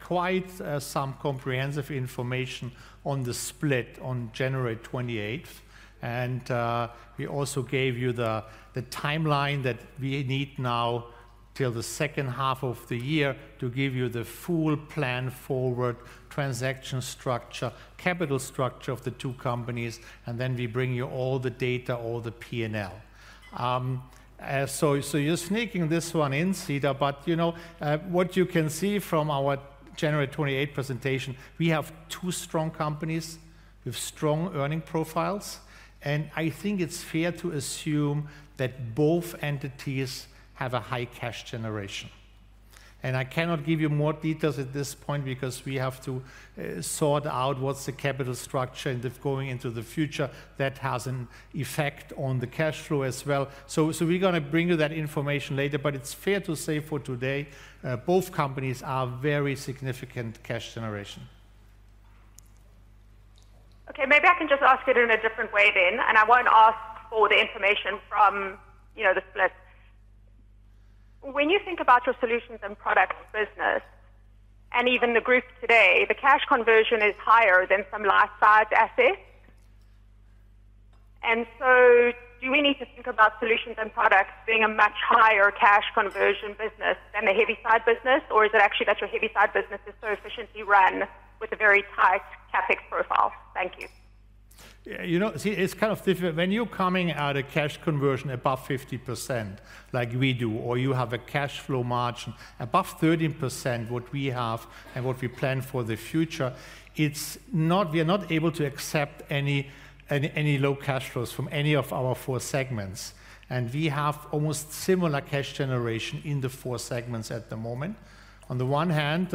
quite some comprehensive information on the split on January 28th. We also gave you the timeline that we need now till the second half of the year to give you the full plan forward, transaction structure, capital structure of the two companies. Then we bring you all the data, all the P&L. So you're sneaking this one in, Cedar. What you can see from our January 28th presentation, we have two strong companies with strong earnings profiles. I think it's fair to assume that both entities have a high cash generation. I cannot give you more details at this point because we have to sort out what's the capital structure. If going into the future, that has an effect on the cash flow as well. So we're going to bring you that information later. It's fair to say for today, both companies are very significant cash generation. Okay. Maybe I can just ask it in a different way then. I won't ask for the information from the split. When you think about your solutions and products business and even the group today, the cash conversion is higher than some large-sized assets. So do we need to think about solutions and products being a much higher cash conversion business than the heavy-sized business? Or is it actually that your heavy-sized business is so efficiently run with a very tight CapEx profile? Thank you. Yeah. See, it's kind of different. When you're coming out of cash conversion above 50% like we do or you have a cash flow margin above 13%, what we have and what we plan for the future, we are not able to accept any low cash flows from any of our 4 segments. And we have almost similar cash generation in the 4 segments at the moment. On the one hand,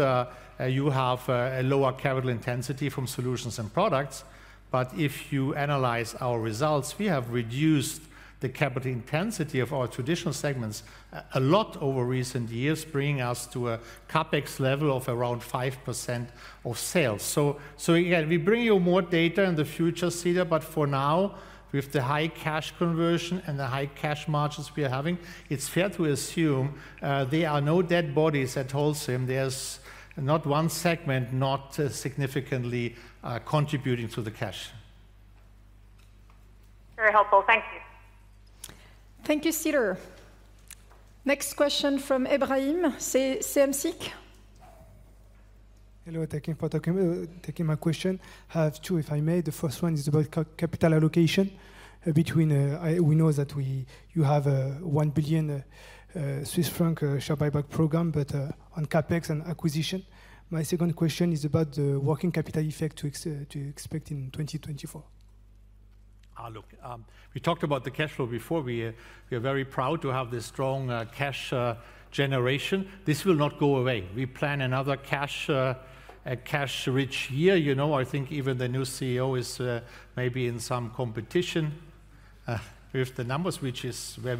you have a lower capital intensity from solutions and products. But if you analyze our results, we have reduced the capital intensity of our traditional segments a lot over recent years, bringing us to a CapEx level of around 5% of sales. So again, we bring you more data in the future, Cedar. But for now, with the high cash conversion and the high cash margins we are having, it's fair to assume there are no dead bodies at Holcim. There's not one segment not significantly contributing to the cash. Very helpful. Thank you. Thank you, Cedar. Next question from Ebrahim, HSBC. Hello. Thank you for taking my question. I have two, if I may. The first one is about capital allocation. We know that you have a 1 billion Swiss franc share buyback program but on CapEx and acquisition. My second question is about the working capital effect to expect in 2024. Look, we talked about the cash flow before. We are very proud to have this strong cash generation. This will not go away. We plan another cash-rich year. I think even the new CEO is maybe in some competition with the numbers, which is where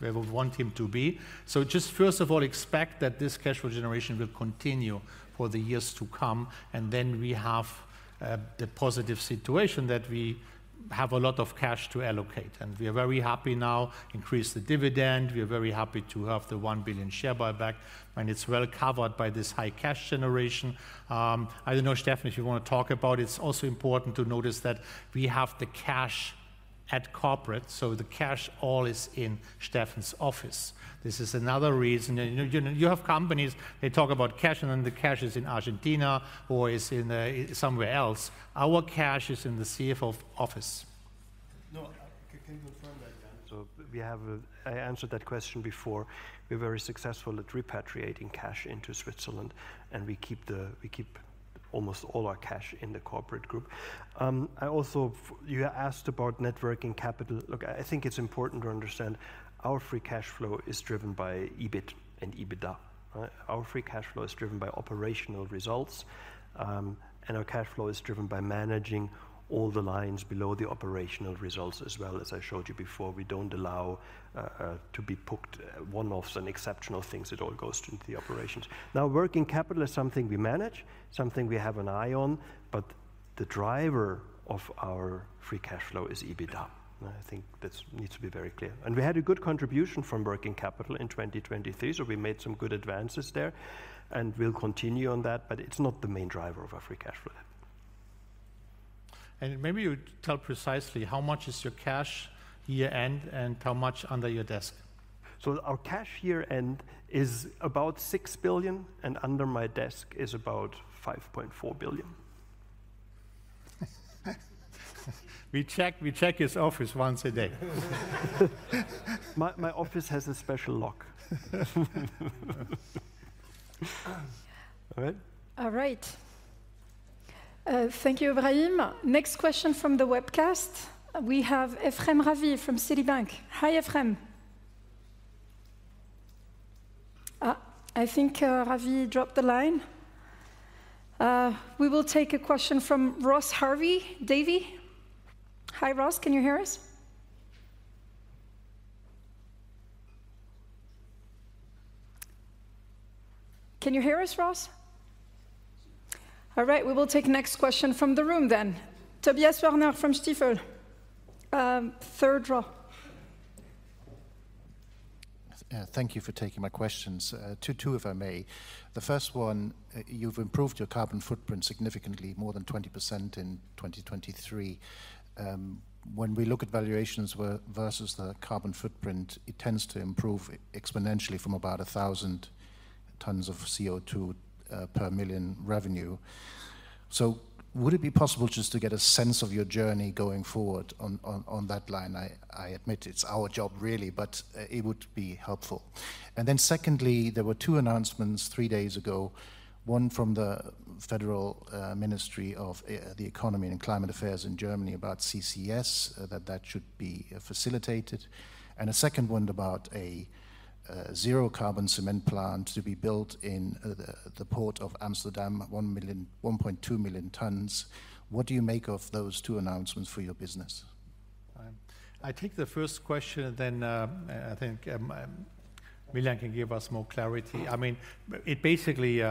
we want him to be. So just first of all, expect that this cash flow generation will continue for the years to come. And then we have the positive situation that we have a lot of cash to allocate. And we are very happy now, increased the dividend. We are very happy to have the 1 billion share buyback. And it's well covered by this high cash generation. I don't know, Steffen, if you want to talk about it. It's also important to notice that we have the cash at corporate. So the cash all is in Steffen's office. This is another reason. You have companies. They talk about cash. And then the cash is in Argentina or is somewhere else. Our cash is in the CFO's office. No. Can you confirm that, Jan? I answered that question before. We're very successful at repatriating cash into Switzerland. We keep almost all our cash in the corporate group. You asked about working capital. Look, I think it's important to understand our free cash flow is driven by EBIT and EBITDA. Our free cash flow is driven by operational results. Our cash flow is driven by managing all the lines below the operational results as well, as I showed you before. We don't allow to be booked one-offs and exceptional things. It all goes into the operations. Now, working capital is something we manage, something we have an eye on. But the driver of our free cash flow is EBITDA. I think that needs to be very clear. We had a good contribution from working capital in 2023. We made some good advances there. We'll continue on that. But it's not the main driver of our free cash flow. Maybe you tell precisely how much is your cash year-end and how much under your desk. So our cash year-end is about 6 billion. Under my desk is about 5.4 billion. We check his office once a day. My office has a special lock. All right? All right. Thank you, Ebrahim. Next question from the webcast. We have Ephraim Ravi from Citibank. Hi, Ephraim. I think Ravi dropped the line. We will take a question from Ross Harvey, Davy. Hi, Ross. Can you hear us? Can you hear us, Ross? All right. We will take next question from the room then. Tobias Werner from Stifel, third row. Thank you for taking my questions, two if I may. The first one, you've improved your carbon footprint significantly, more than 20% in 2023. When we look at valuations versus the carbon footprint, it tends to improve exponentially from about 1,000 tons of CO2 per million revenue. So would it be possible just to get a sense of your journey going forward on that line? I admit it's our job, really. But it would be helpful. And then secondly, there were two announcements three days ago, one from the Federal Ministry of the Economy and Climate Affairs in Germany about CCS, that that should be facilitated. And a second one about a zero-carbon cement plant to be built in the port of Amsterdam, 1.2 million tons. What do you make of those two announcements for your business? I take the first question. Then I think Milan can give us more clarity. I mean, it basically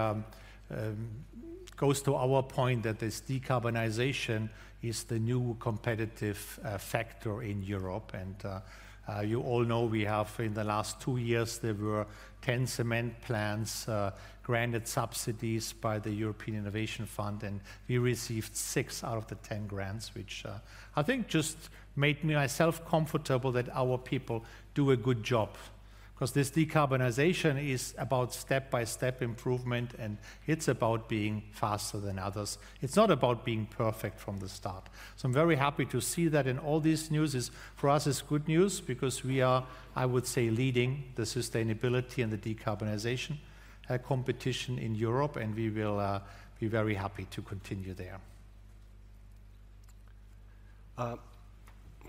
goes to our point that this decarbonization is the new competitive factor in Europe. And you all know we have in the last two years, there were 10 cement plants granted subsidies by the EU Innovation Fund. And we received 6 out of the 10 grants, which I think just made me myself comfortable that our people do a good job because this decarbonization is about step-by-step improvement. And it's about being faster than others. It's not about being perfect from the start. So I'm very happy to see that. And all this news for us is good news because we are, I would say, leading the sustainability and the decarbonization competition in Europe. And we will be very happy to continue there.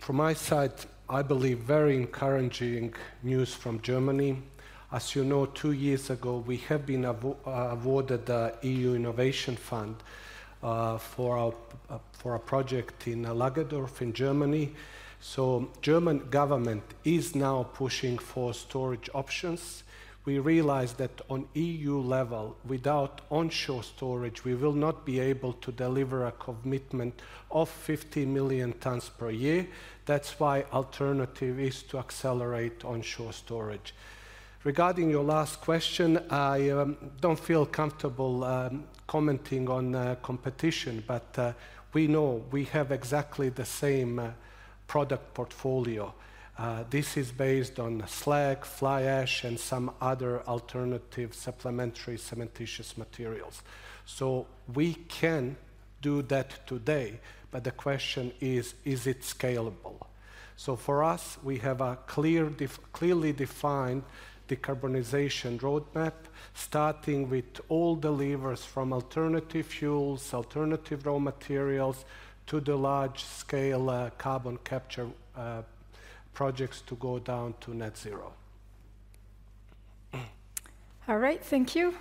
From my side, I believe very encouraging news from Germany. As you know, two years ago, we have been awarded the EU Innovation Fund for a project in Lägerdorf in Germany. So German government is now pushing for storage options. We realize that on EU level, without onshore storage, we will not be able to deliver a commitment of 50 million tons per year. That's why the alternative is to accelerate onshore storage. Regarding your last question, I don't feel comfortable commenting on competition. But we know we have exactly the same product portfolio. This is based on slag, fly ash, and some other alternative supplementary cementitious materials. So we can do that today. But the question is, is it scalable? For us, we have a clearly defined decarbonization roadmap starting with all levers from alternative fuels, alternative raw materials to the large-scale carbon capture projects to go down to net zero. All right. Thank you.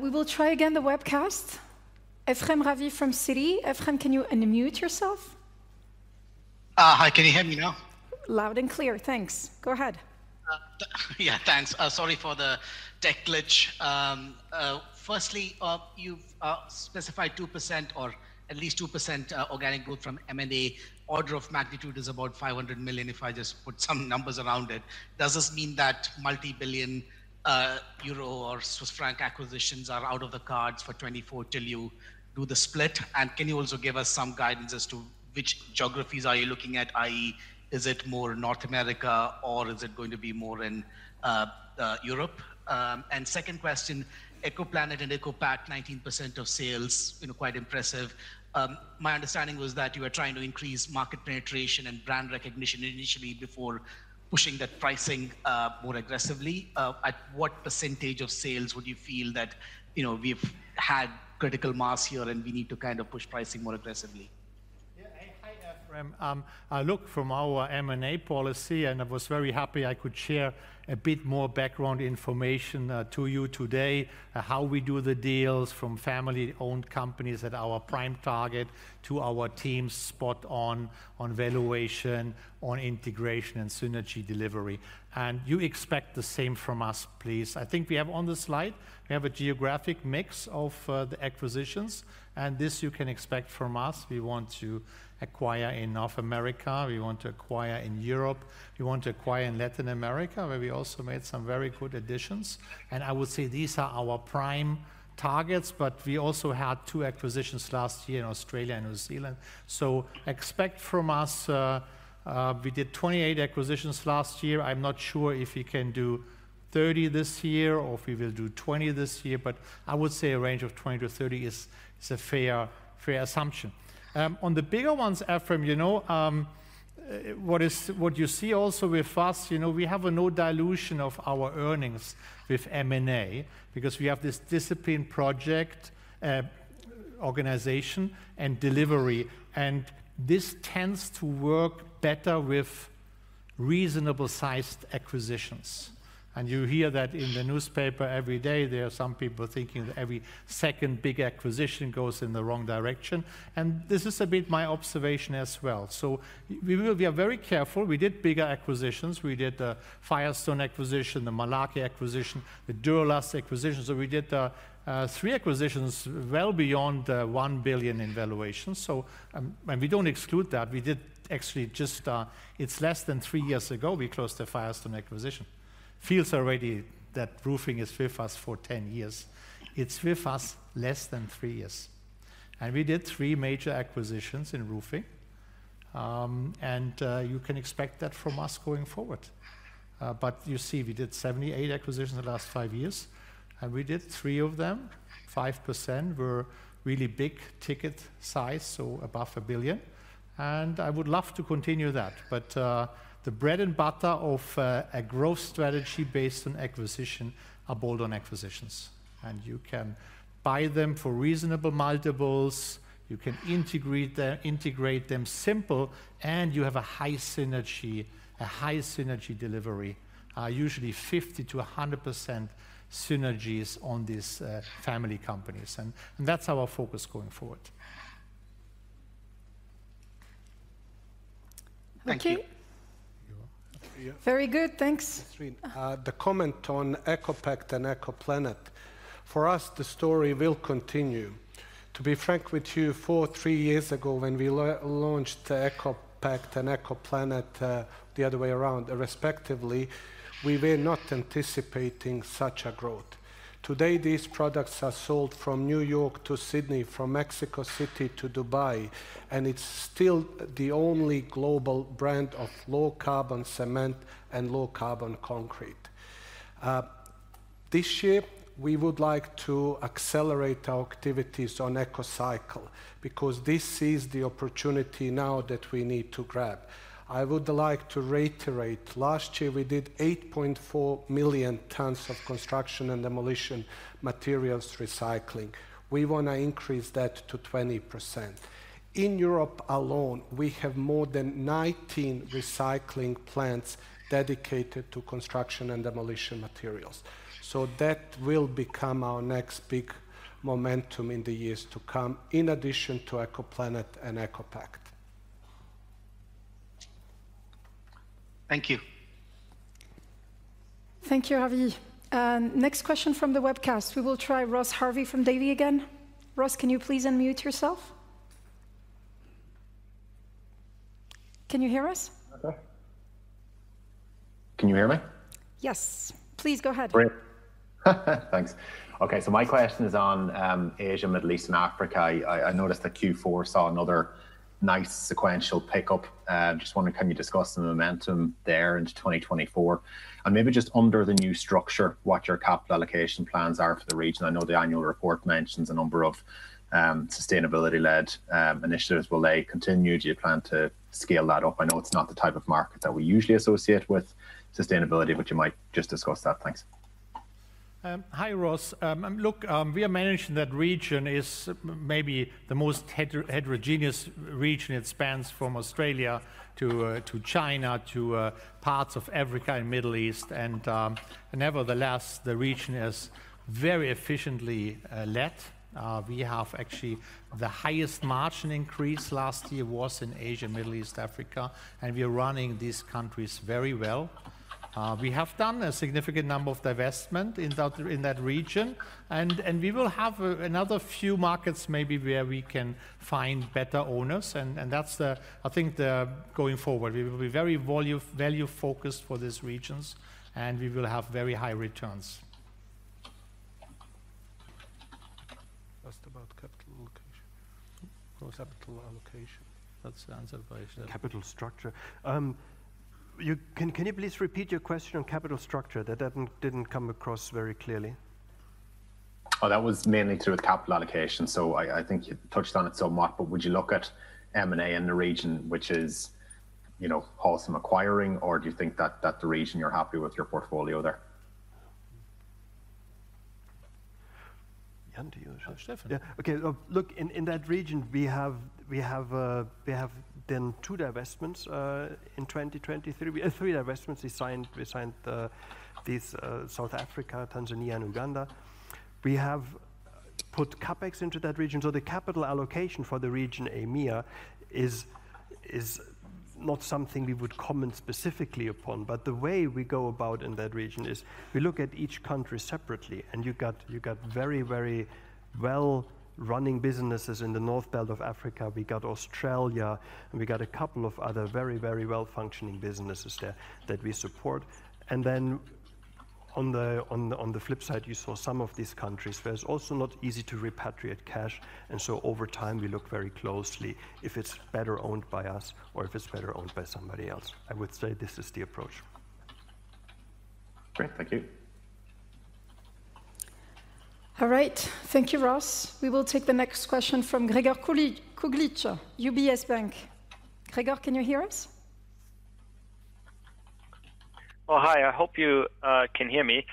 We will try again the webcast. Ephraim Ravi from Citigroup, Ephraim, can you unmute yourself? Hi. Can you hear me now? Loud and clear. Thanks. Go ahead. Yeah. Thanks. Sorry for the tech glitch. Firstly, you've specified 2% or at least 2% organic growth from M&A. Order of magnitude is about 500 million if I just put some numbers around it. Does this mean that multi-billion EUR or CHF acquisitions are out of the cards for 2024 till you do the split? And can you also give us some guidance as to which geographies are you looking at, i.e., is it more North America, or is it going to be more in Europe? And second question, ECOPlanet and ECOPact, 19% of sales, quite impressive. My understanding was that you were trying to increase market penetration and brand recognition initially before pushing that pricing more aggressively. At what percentage of sales would you feel that we've had critical mass here, and we need to kind of push pricing more aggressively? Yeah. Hi, Ephraim. Look, from our M&A policy, and I was very happy I could share a bit more background information to you today, how we do the deals from family-owned companies at our prime target to our team spot on valuation, on integration, and synergy delivery. And you expect the same from us, please. I think we have on the slide, we have a geographic mix of the acquisitions. And this, you can expect from us. We want to acquire in North America. We want to acquire in Europe. We want to acquire in Latin America, where we also made some very good additions. And I would say these are our prime targets. But we also had 2 acquisitions last year in Australia and New Zealand. So expect from us we did 28 acquisitions last year. I'm not sure if we can do 30 this year or if we will do 20 this year. But I would say a range of 20-30 is a fair assumption. On the bigger ones, Ephraim, what you see also with us, we have a no dilution of our earnings with M&A because we have this disciplined project organization and delivery. And this tends to work better with reasonable-sized acquisitions. And you hear that in the newspaper every day. There are some people thinking that every second big acquisition goes in the wrong direction. And this is a bit my observation as well. So we are very careful. We did bigger acquisitions. We did the Firestone acquisition, the Malarkey acquisition, the Duro-Last acquisition. So we did three acquisitions well beyond 1 billion in valuation. And we don't exclude that. We did actually just—it's less than three years ago we closed the Firestone acquisition. That roofing is with us for 10 years. It's with us less than three years. And we did three major acquisitions in roofing. And you can expect that from us going forward. But you see, we did 78 acquisitions the last five years. And we did three of them. 5% were really big ticket size, so above 1 billion. And I would love to continue that. But the bread and butter of a growth strategy based on acquisition are bolt-on acquisitions. And you can buy them for reasonable multiples. You can integrate them simple. And you have a high synergy, a high synergy delivery, usually 50%-100% synergies on these family companies. And that's our focus going forward. Thank you. Very good. Thanks. The comment on ECOPact and ECOPlanet. For us, the story will continue. To be frank with you, 3-4 years ago, when we launched ECOPact and ECOPlanet the other way around, respectively, we were not anticipating such a growth. Today, these products are sold from New York to Sydney, from Mexico City to Dubai. It's still the only global brand of low-carbon cement and low-carbon concrete. This year, we would like to accelerate our activities on ECOCycle because this is the opportunity now that we need to grab. I would like to reiterate, last year, we did 8.4 million tons of construction and demolition materials recycling. We want to increase that to 20%. In Europe alone, we have more than 19 recycling plants dedicated to construction and demolition materials. That will become our next big momentum in the years to come in addition to ECOPlanet and ECOPact. Thank you. Thank you, Ravi. Next question from the webcast. We will try Ross Harvey from Davy again. Ross, can you please unmute yourself? Can you hear us? Can you hear me? Yes. Please go ahead. Thanks. Okay. My question is on Asia, Middle East, and Africa. I noticed that Q4 saw another nice sequential pickup. Just wondering, can you discuss the momentum there into 2024? And maybe just under the new structure, what your capital allocation plans are for the region. I know the annual report mentions a number of sustainability-led initiatives will continue. Do you plan to scale that up? I know it's not the type of market that we usually associate with sustainability. But you might just discuss that. Thanks. Hi, Ross. Look, we are managing that region is maybe the most heterogeneous region. It spans from Australia to China to parts of Africa and Middle East. And nevertheless, the region is very efficiently led. We have actually the highest margin increase last year was in Asia, Middle East, Africa. And we are running these countries very well. We have done a significant number of divestment in that region. And we will have another few markets maybe where we can find better owners. And that's, I think, going forward. We will be very value-focused for these regions. And we will have very high returns. Just about capital allocation. Capital allocation. That's the answer for Asia. Capital structure. Can you please repeat your question on capital structure? That didn't come across very clearly. Oh, that was mainly through the capital allocation. So I think you touched on it so much. But would you look at M&A in the region, which is Holcim acquiring? Or do you think that's the region you're happy with your portfolio there? Yeah. Okay. Look, in that region, we have done 2 divestments in 2023. 3 divestments. We signed South Africa, Tanzania, and Uganda. We have put CapEx into that region. So the capital allocation for the region, EMEA, is not something we would comment specifically upon. But the way we go about in that region is we look at each country separately. And you got very, very well-running businesses in the north belt of Africa. We got Australia. And we got a couple of other very, very well-functioning businesses there that we support. And then on the flip side, you saw some of these countries. But it's also not easy to repatriate cash. And so over time, we look very closely if it's better owned by us or if it's better owned by somebody else. I would say this is the approach. Great. Thank you. All right. Thank you, Ross. We will take the next question from Gregor Kuglich, UBS Bank. Gregor, can you hear us? Well, hi. I hope you can hear me.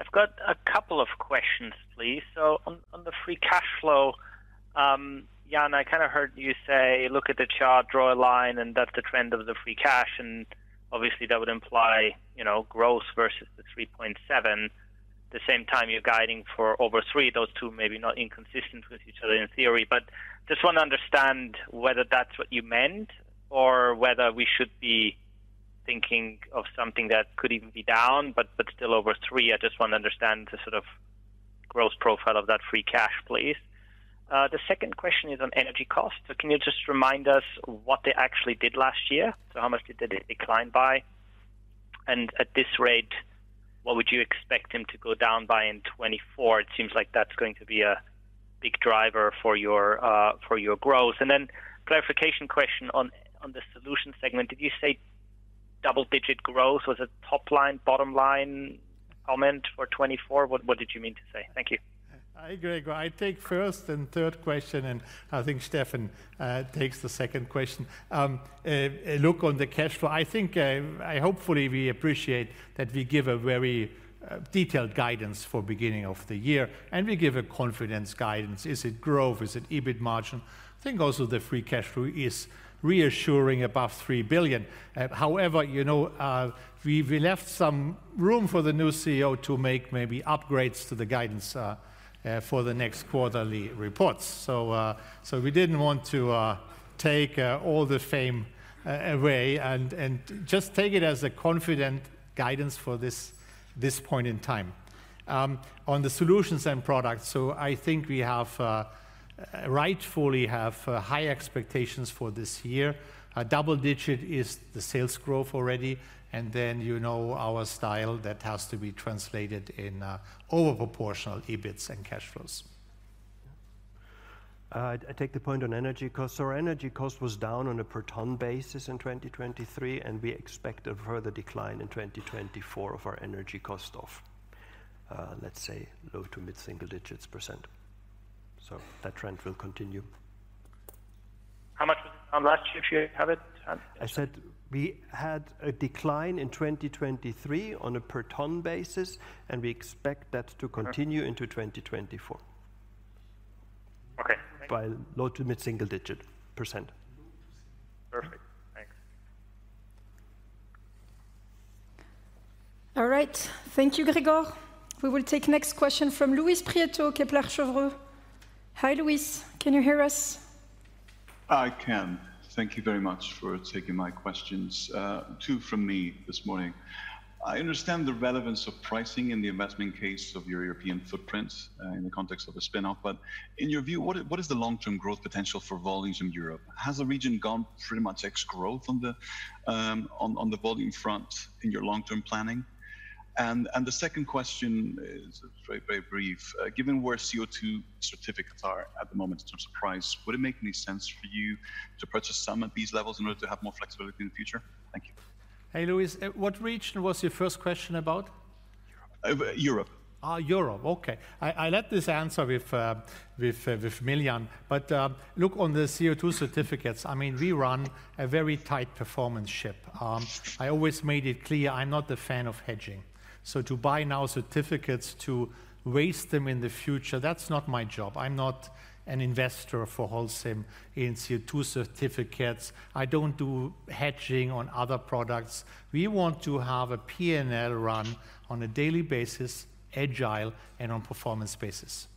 I've got a couple of questions, please. So on the free cash flow, Jan, I kind of heard you say, "Look at the chart. Draw a line. And that's the trend of the free cash." And obviously, that would imply growth versus the 3.7 billion. At the same time, you're guiding for over 3 billion. Those two may be not inconsistent with each other in theory. But I just want to understand whether that's what you meant or whether we should be thinking of something that could even be down but still over 3 billion. I just want to understand the sort of growth profile of that free cash, please. The second question is on energy cost. So can you just remind us what they actually did last year? So how much did they decline by? At this rate, what would you expect them to go down by in 2024? It seems like that's going to be a big driver for your growth. Then clarification question on the solution segment. Did you say double-digit growth? Was it top line, bottom line comment for 2024? What did you mean to say? Thank you. Hi, Gregor. I take first and third question. And I think Steffen takes the second question. Look, on the cash flow, I think hopefully, we appreciate that we give a very detailed guidance for the beginning of the year. And we give a confident guidance. Is it growth? Is it EBIT margin? I think also the free cash flow is reassuring above 3 billion. However, we left some room for the new CEO to make maybe upgrades to the guidance for the next quarterly reports. So we didn't want to take all the fame away and just take it as a confident guidance for this point in time. On the solutions and products, so I think we rightfully have high expectations for this year. Double-digit is the sales growth already. And then our style, that has to be translated in overproportional EBITs and cash flows. I take the point on energy cost. Our energy cost was down on a per-ton basis in 2023. We expect a further decline in 2024 of our energy cost off, let's say, low- to mid-single-digits %. That trend will continue. How much was it down last year if you have it? I said we had a decline in 2023 on a per-ton basis. We expect that to continue into 2024 by low to mid-single-digit %. Low to single. Perfect. Thanks. All right. Thank you, Gregor. We will take next question from Louis Prieto, Kepler Cheuvreux. Hi, Louis. Can you hear us? I can. Thank you very much for taking my questions, two from me this morning. I understand the relevance of pricing in the investment case of your European footprint in the context of a spinoff. But in your view, what is the long-term growth potential for volumes in Europe? Has the region gone pretty much ex-growth on the volume front in your long-term planning? And the second question is very, very brief. Given where CO2 certificates are at the moment in terms of price, would it make any sense for you to purchase some at these levels in order to have more flexibility in the future? Thank you. Hi, Louis. What region was your first question about? Europe. Oh, Europe. Okay. I let this answer with Miljan. But look, on the CO2 certificates, I mean, we run a very tight performance ship. I always made it clear I'm not a fan of hedging. So to buy now certificates, to waste them in the future, that's not my job. I'm not an investor for Holcim in CO2 certificates. I don't do hedging on other products. We want to have a P&L run on a daily basis, agile, and on performance basis.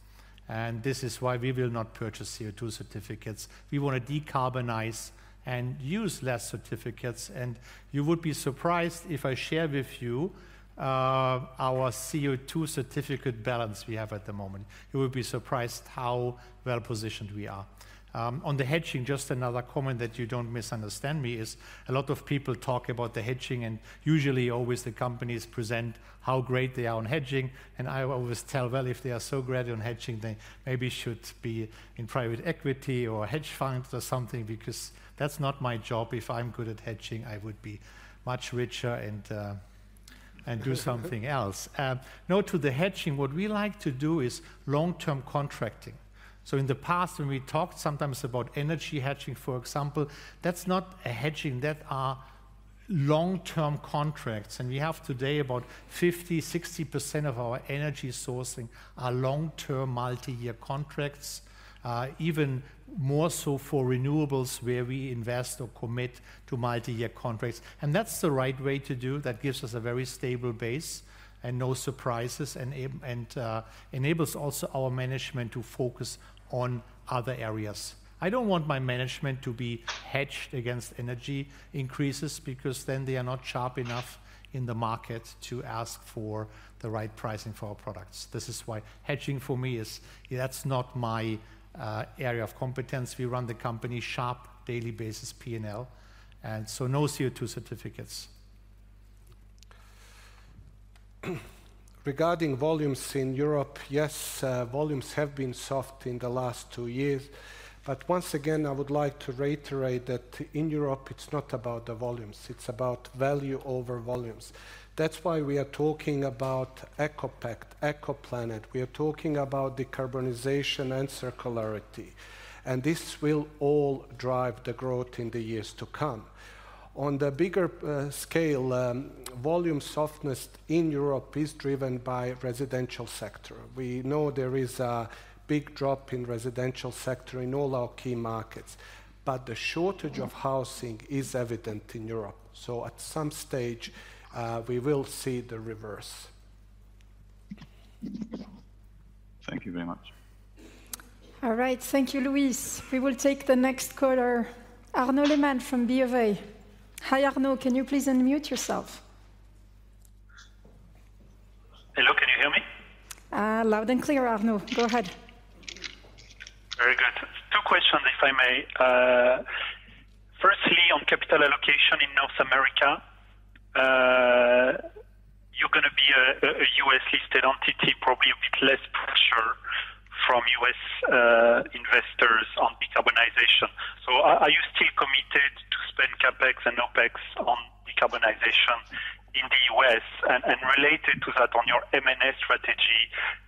And this is why we will not purchase CO2 certificates. We want to decarbonize and use less certificates. And you would be surprised if I share with you our CO2 certificate balance we have at the moment. You would be surprised how well-positioned we are. On the hedging, just another comment that you don't misunderstand me is a lot of people talk about the hedging. Usually, always, the companies present how great they are on hedging. I always tell, well, if they are so great on hedging, they maybe should be in private equity or hedge funds or something because that's not my job. If I'm good at hedging, I would be much richer and do something else. Now, to the hedging, what we like to do is long-term contracting. In the past, when we talked sometimes about energy hedging, for example, that's not a hedging. That are long-term contracts. We have today about 50%-60% of our energy sourcing are long-term multi-year contracts, even more so for renewables where we invest or commit to multi-year contracts. That's the right way to do. That gives us a very stable base and no surprises and enables also our management to focus on other areas. I don't want my management to be hedged against energy increases because then they are not sharp enough in the market to ask for the right pricing for our products. This is why hedging for me, that's not my area of competence. We run the company sharp, daily basis P&L. So no CO2 certificates. Regarding volumes in Europe, yes, volumes have been soft in the last two years. But once again, I would like to reiterate that in Europe, it's not about the volumes. It's about value over volumes. That's why we are talking about ECOPact, ECOPlanet. We are talking about decarbonization and circularity. And this will all drive the growth in the years to come. On the bigger scale, volume softness in Europe is driven by residential sector. We know there is a big drop in residential sector in all our key markets. But the shortage of housing is evident in Europe. So at some stage, we will see the reverse. Thank you very much. All right. Thank you, Louis. We will take the next caller, Arnaud Lehmann from BOA. Hi, Arnaud. Can you please unmute yourself? Hello. Can you hear me? Loud and clear, Arnaud. Go ahead. Very good. Two questions, if I may. Firstly, on capital allocation in North America, you're going to be a U.S.-listed entity, probably a bit less pressure from U.S. investors on decarbonization. So are you still committed to spend CapEx and OpEx on decarbonization in the U.S.? And related to that, on your M&A strategy,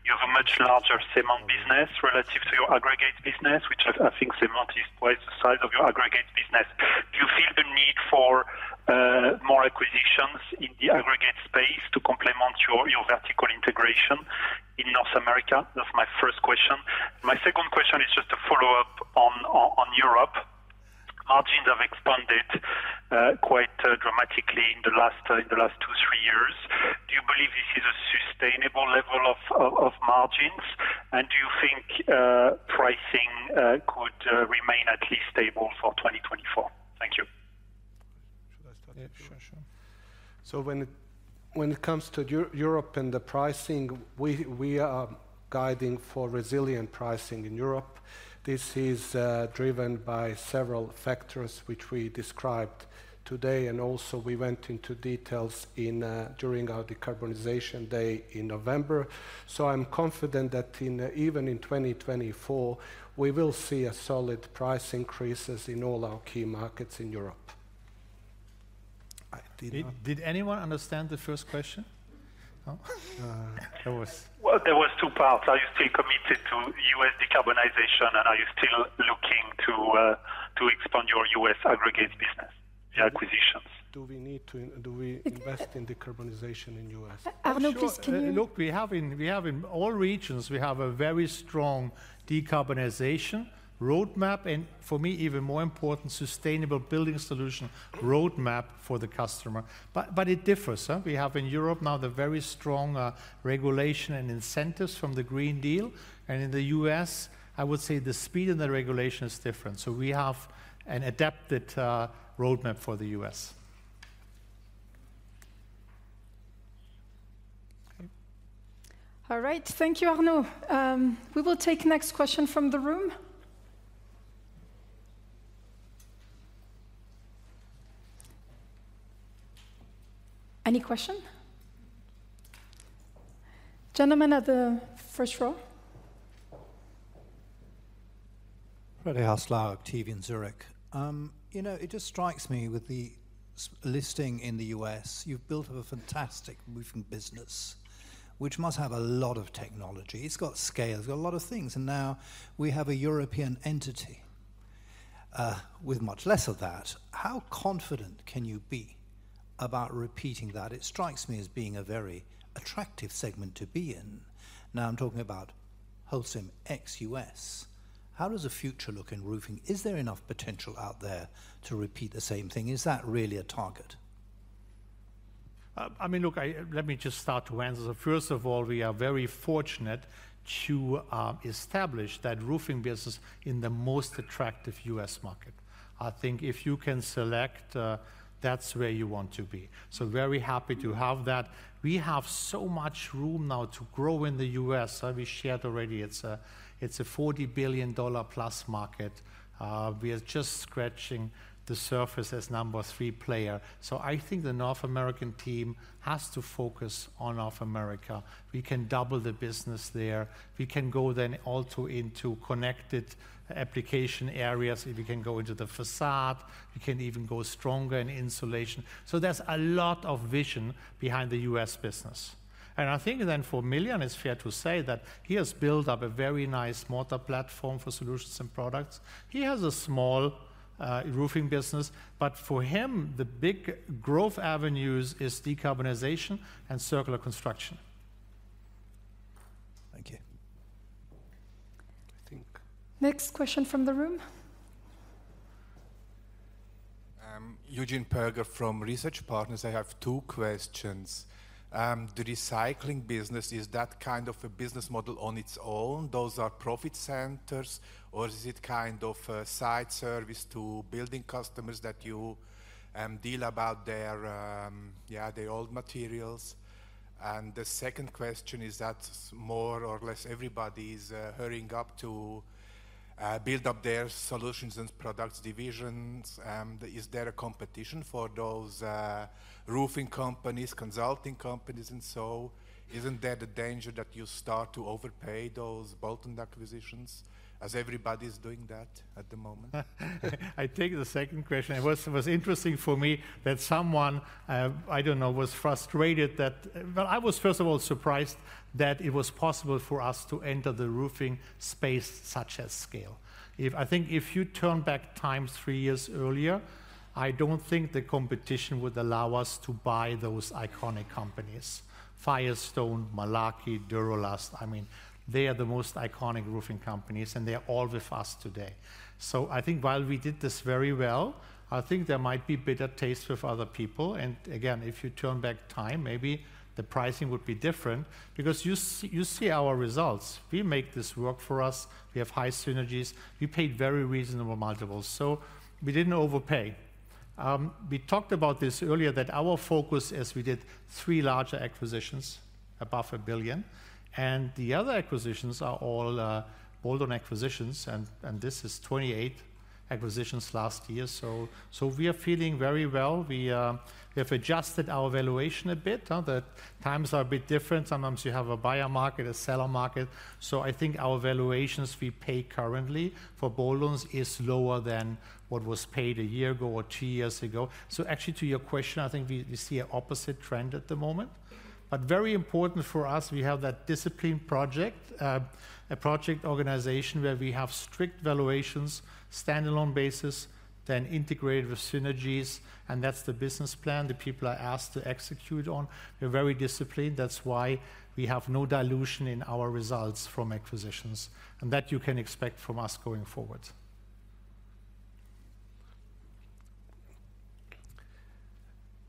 you have a much larger CMON business relative to your aggregate business, which I think CMON is twice the size of your aggregate business. Do you feel the need for more acquisitions in the aggregate space to complement your vertical integration in North America? That's my first question. My second question is just a follow-up on Europe. Margins have expanded quite dramatically in the last two, three years. Do you believe this is a sustainable level of margins? And do you think pricing could remain at least stable for 2024? Thank you. Sure, sure. So when it comes to Europe and the pricing, we are guiding for resilient pricing in Europe. This is driven by several factors which we described today. And also, we went into details during our decarbonization day in November. So I'm confident that even in 2024, we will see a solid price increase in all our key markets in Europe. I did not. Did anyone understand the first question? No? There was. Well, there was two parts. Are you still committed to U.S. decarbonization? And are you still looking to expand your U.S. aggregate business, the acquisitions? Do we need to invest in decarbonization in U.S.? Arnaud, please. Can you? Look, we have in all regions, we have a very strong decarbonization roadmap and, for me, even more important, sustainable building solution roadmap for the customer. But it differs. We have in Europe now the very strong regulation and incentives from the Green Deal. And in the U.S., I would say the speed and the regulation is different. So we have an adapted roadmap for the U.S. All right. Thank you, Arnaud. We will take next question from the room. Any question? Gentlemen at the first row. Freddy Hauslau, Octavian Zurich. It just strikes me with the listing in the US, you've built up a fantastic roofing business which must have a lot of technology. It's got scale. It's got a lot of things. And now we have a European entity with much less of that. How confident can you be about repeating that? It strikes me as being a very attractive segment to be in. Now, I'm talking about Holcim ex US. How does the future look in roofing? Is there enough potential out there to repeat the same thing? Is that really a target? I mean, look, let me just start to answer. First of all, we are very fortunate to establish that roofing business in the most attractive U.S. market. I think if you can select, that's where you want to be. So very happy to have that. We have so much room now to grow in the U.S. We shared already. It's a $40 billion+ market. We are just scratching the surface as number three player. So I think the North American team has to focus on North America. We can double the business there. We can go then also into connected application areas. We can go into the facade. We can even go stronger in insulation. So there's a lot of vision behind the U.S. business. And I think then for Miljan, it's fair to say that he has built up a very nice mortar platform for solutions and products. He has a small roofing business. But for him, the big growth avenues is decarbonization and circular construction. Thank you. I think. Next question from the room. Eugene Perger from Research Partners. I have two questions. The recycling business, is that kind of a business model on its own? Those are profit centers? Or is it kind of a side service to building customers that you deal about their old materials? And the second question is that more or less, everybody is hurrying up to build up their solutions and products divisions. Is there a competition for those roofing companies, consulting companies, and so? Isn't there the danger that you start to overpay those bolt-on acquisitions as everybody is doing that at the moment? I take the second question. It was interesting for me that someone, I don't know, was frustrated that well, I was, first of all, surprised that it was possible for us to enter the roofing space such as scale. I think if you turn back time three years earlier, I don't think the competition would allow us to buy those iconic companies, Firestone, Malarkey, Duro-Last. I mean, they are the most iconic roofing companies. And they are all with us today. So I think while we did this very well, I think there might be bitter taste with other people. And again, if you turn back time, maybe the pricing would be different because you see our results. We make this work for us. We have high synergies. We paid very reasonable multiples. So we didn't overpay. We talked about this earlier, that our focus, as we did three larger acquisitions above 1 billion. The other acquisitions are all bolt-on acquisitions. And this is 28 acquisitions last year. So we are feeling very well. We have adjusted our valuation a bit. The times are a bit different. Sometimes you have a buyer market, a seller market. So I think our valuations we pay currently for bolt-ons is lower than what was paid a year ago or two years ago. So actually, to your question, I think we see an opposite trend at the moment. But very important for us, we have that disciplined project, a project organization where we have strict valuations, standalone basis, then integrated with synergies. And that's the business plan the people are asked to execute on. We're very disciplined. That's why we have no dilution in our results from acquisitions. That you can expect from us going forward.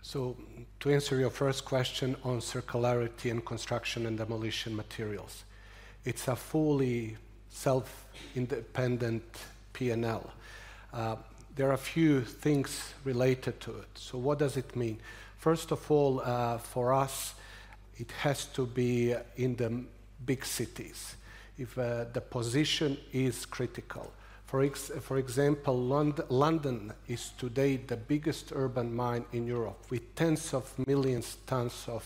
So to answer your first question on circularity and construction and demolition materials, it's a fully self-independent P&L. There are a few things related to it. So what does it mean? First of all, for us, it has to be in the big cities if the position is critical. For example, London is today the biggest urban mine in Europe with tens of millions tons of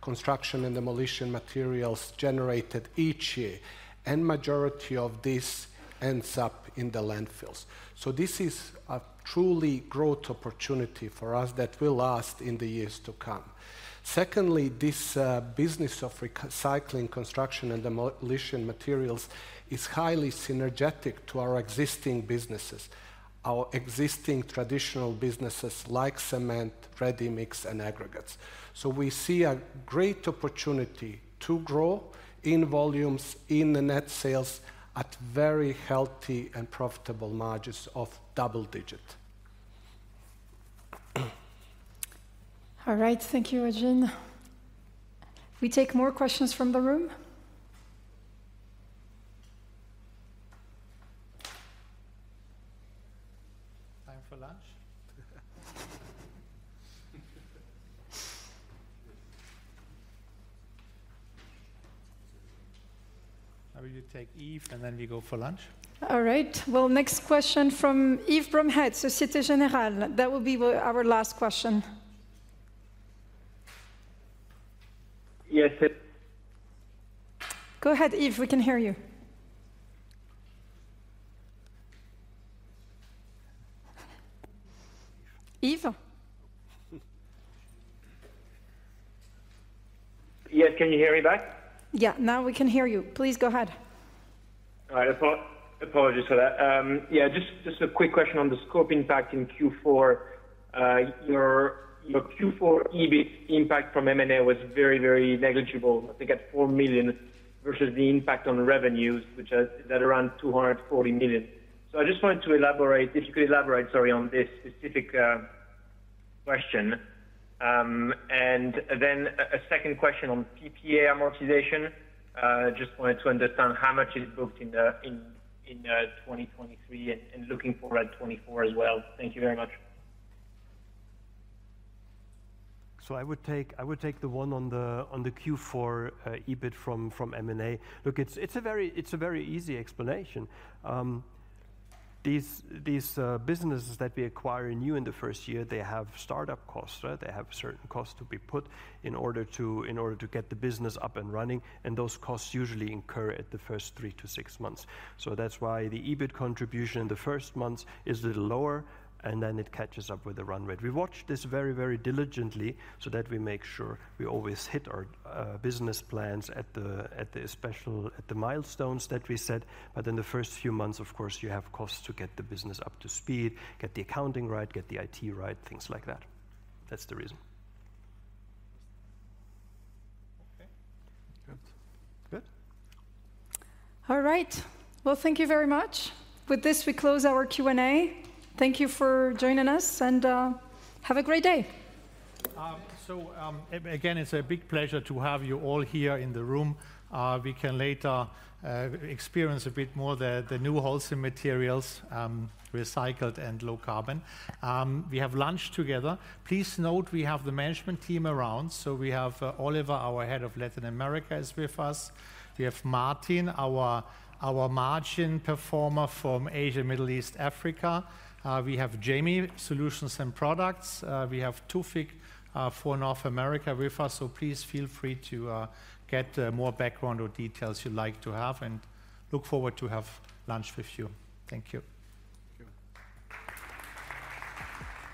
construction and demolition materials generated each year. And majority of this ends up in the landfills. So this is a truly growth opportunity for us that will last in the years to come. Secondly, this business of recycling construction and demolition materials is highly synergetic to our existing businesses, our existing traditional businesses like cement, ready mix, and aggregates. So we see a great opportunity to grow in volumes, in the net sales, at very healthy and profitable margins of double digit. All right. Thank you, Eugene. If we take more questions from the room. Time for lunch. Maybe you take Eve, and then we go for lunch. All right. Well, next question from Eve Bromhet, Société Générale. That will be our last question. Yes. Go ahead, Eve. We can hear you. Eve. Yes. Can you hear me back? Yeah. Now we can hear you. Please go ahead. All right. Apologies for that. Yeah, just a quick question on the scope impact in Q4. Your Q4 EBIT impact from M&A was very, very negligible, I think, at 4 million versus the impact on revenues, which is at around 240 million. So I just wanted to elaborate if you could elaborate, sorry, on this specific question. And then a second question on PPA amortization. Just wanted to understand how much is booked in 2023 and looking forward at 2024 as well. Thank you very much. So I would take the one on the Q4 EBIT from M&A. Look, it's a very easy explanation. These businesses that we acquire new in the first year, they have startup costs. They have certain costs to be put in order to get the business up and running. And those costs usually incur at the first 3-6 months. So that's why the EBIT contribution in the first months is a little lower. And then it catches up with the run rate. We watch this very, very diligently so that we make sure we always hit our business plans at the milestones that we set. But in the first few months, of course, you have costs to get the business up to speed, get the accounting right, get the IT right, things like that. That's the reason. Okay. Good. Good? All right. Well, thank you very much. With this, we close our Q&A. Thank you for joining us. Have a great day. So again, it's a big pleasure to have you all here in the room. We can later experience a bit more the new Holcim materials, recycled and low carbon. We have lunch together. Please note, we have the management team around. So we have Oliver, our head of Latin America, is with us. We have Martin, our region head for Asia, Middle East, Africa. We have Jamie, Solutions and Products. We have Tufik for North America with us. So please feel free to get more background or details you'd like to have. And look forward to having lunch with you. Thank you.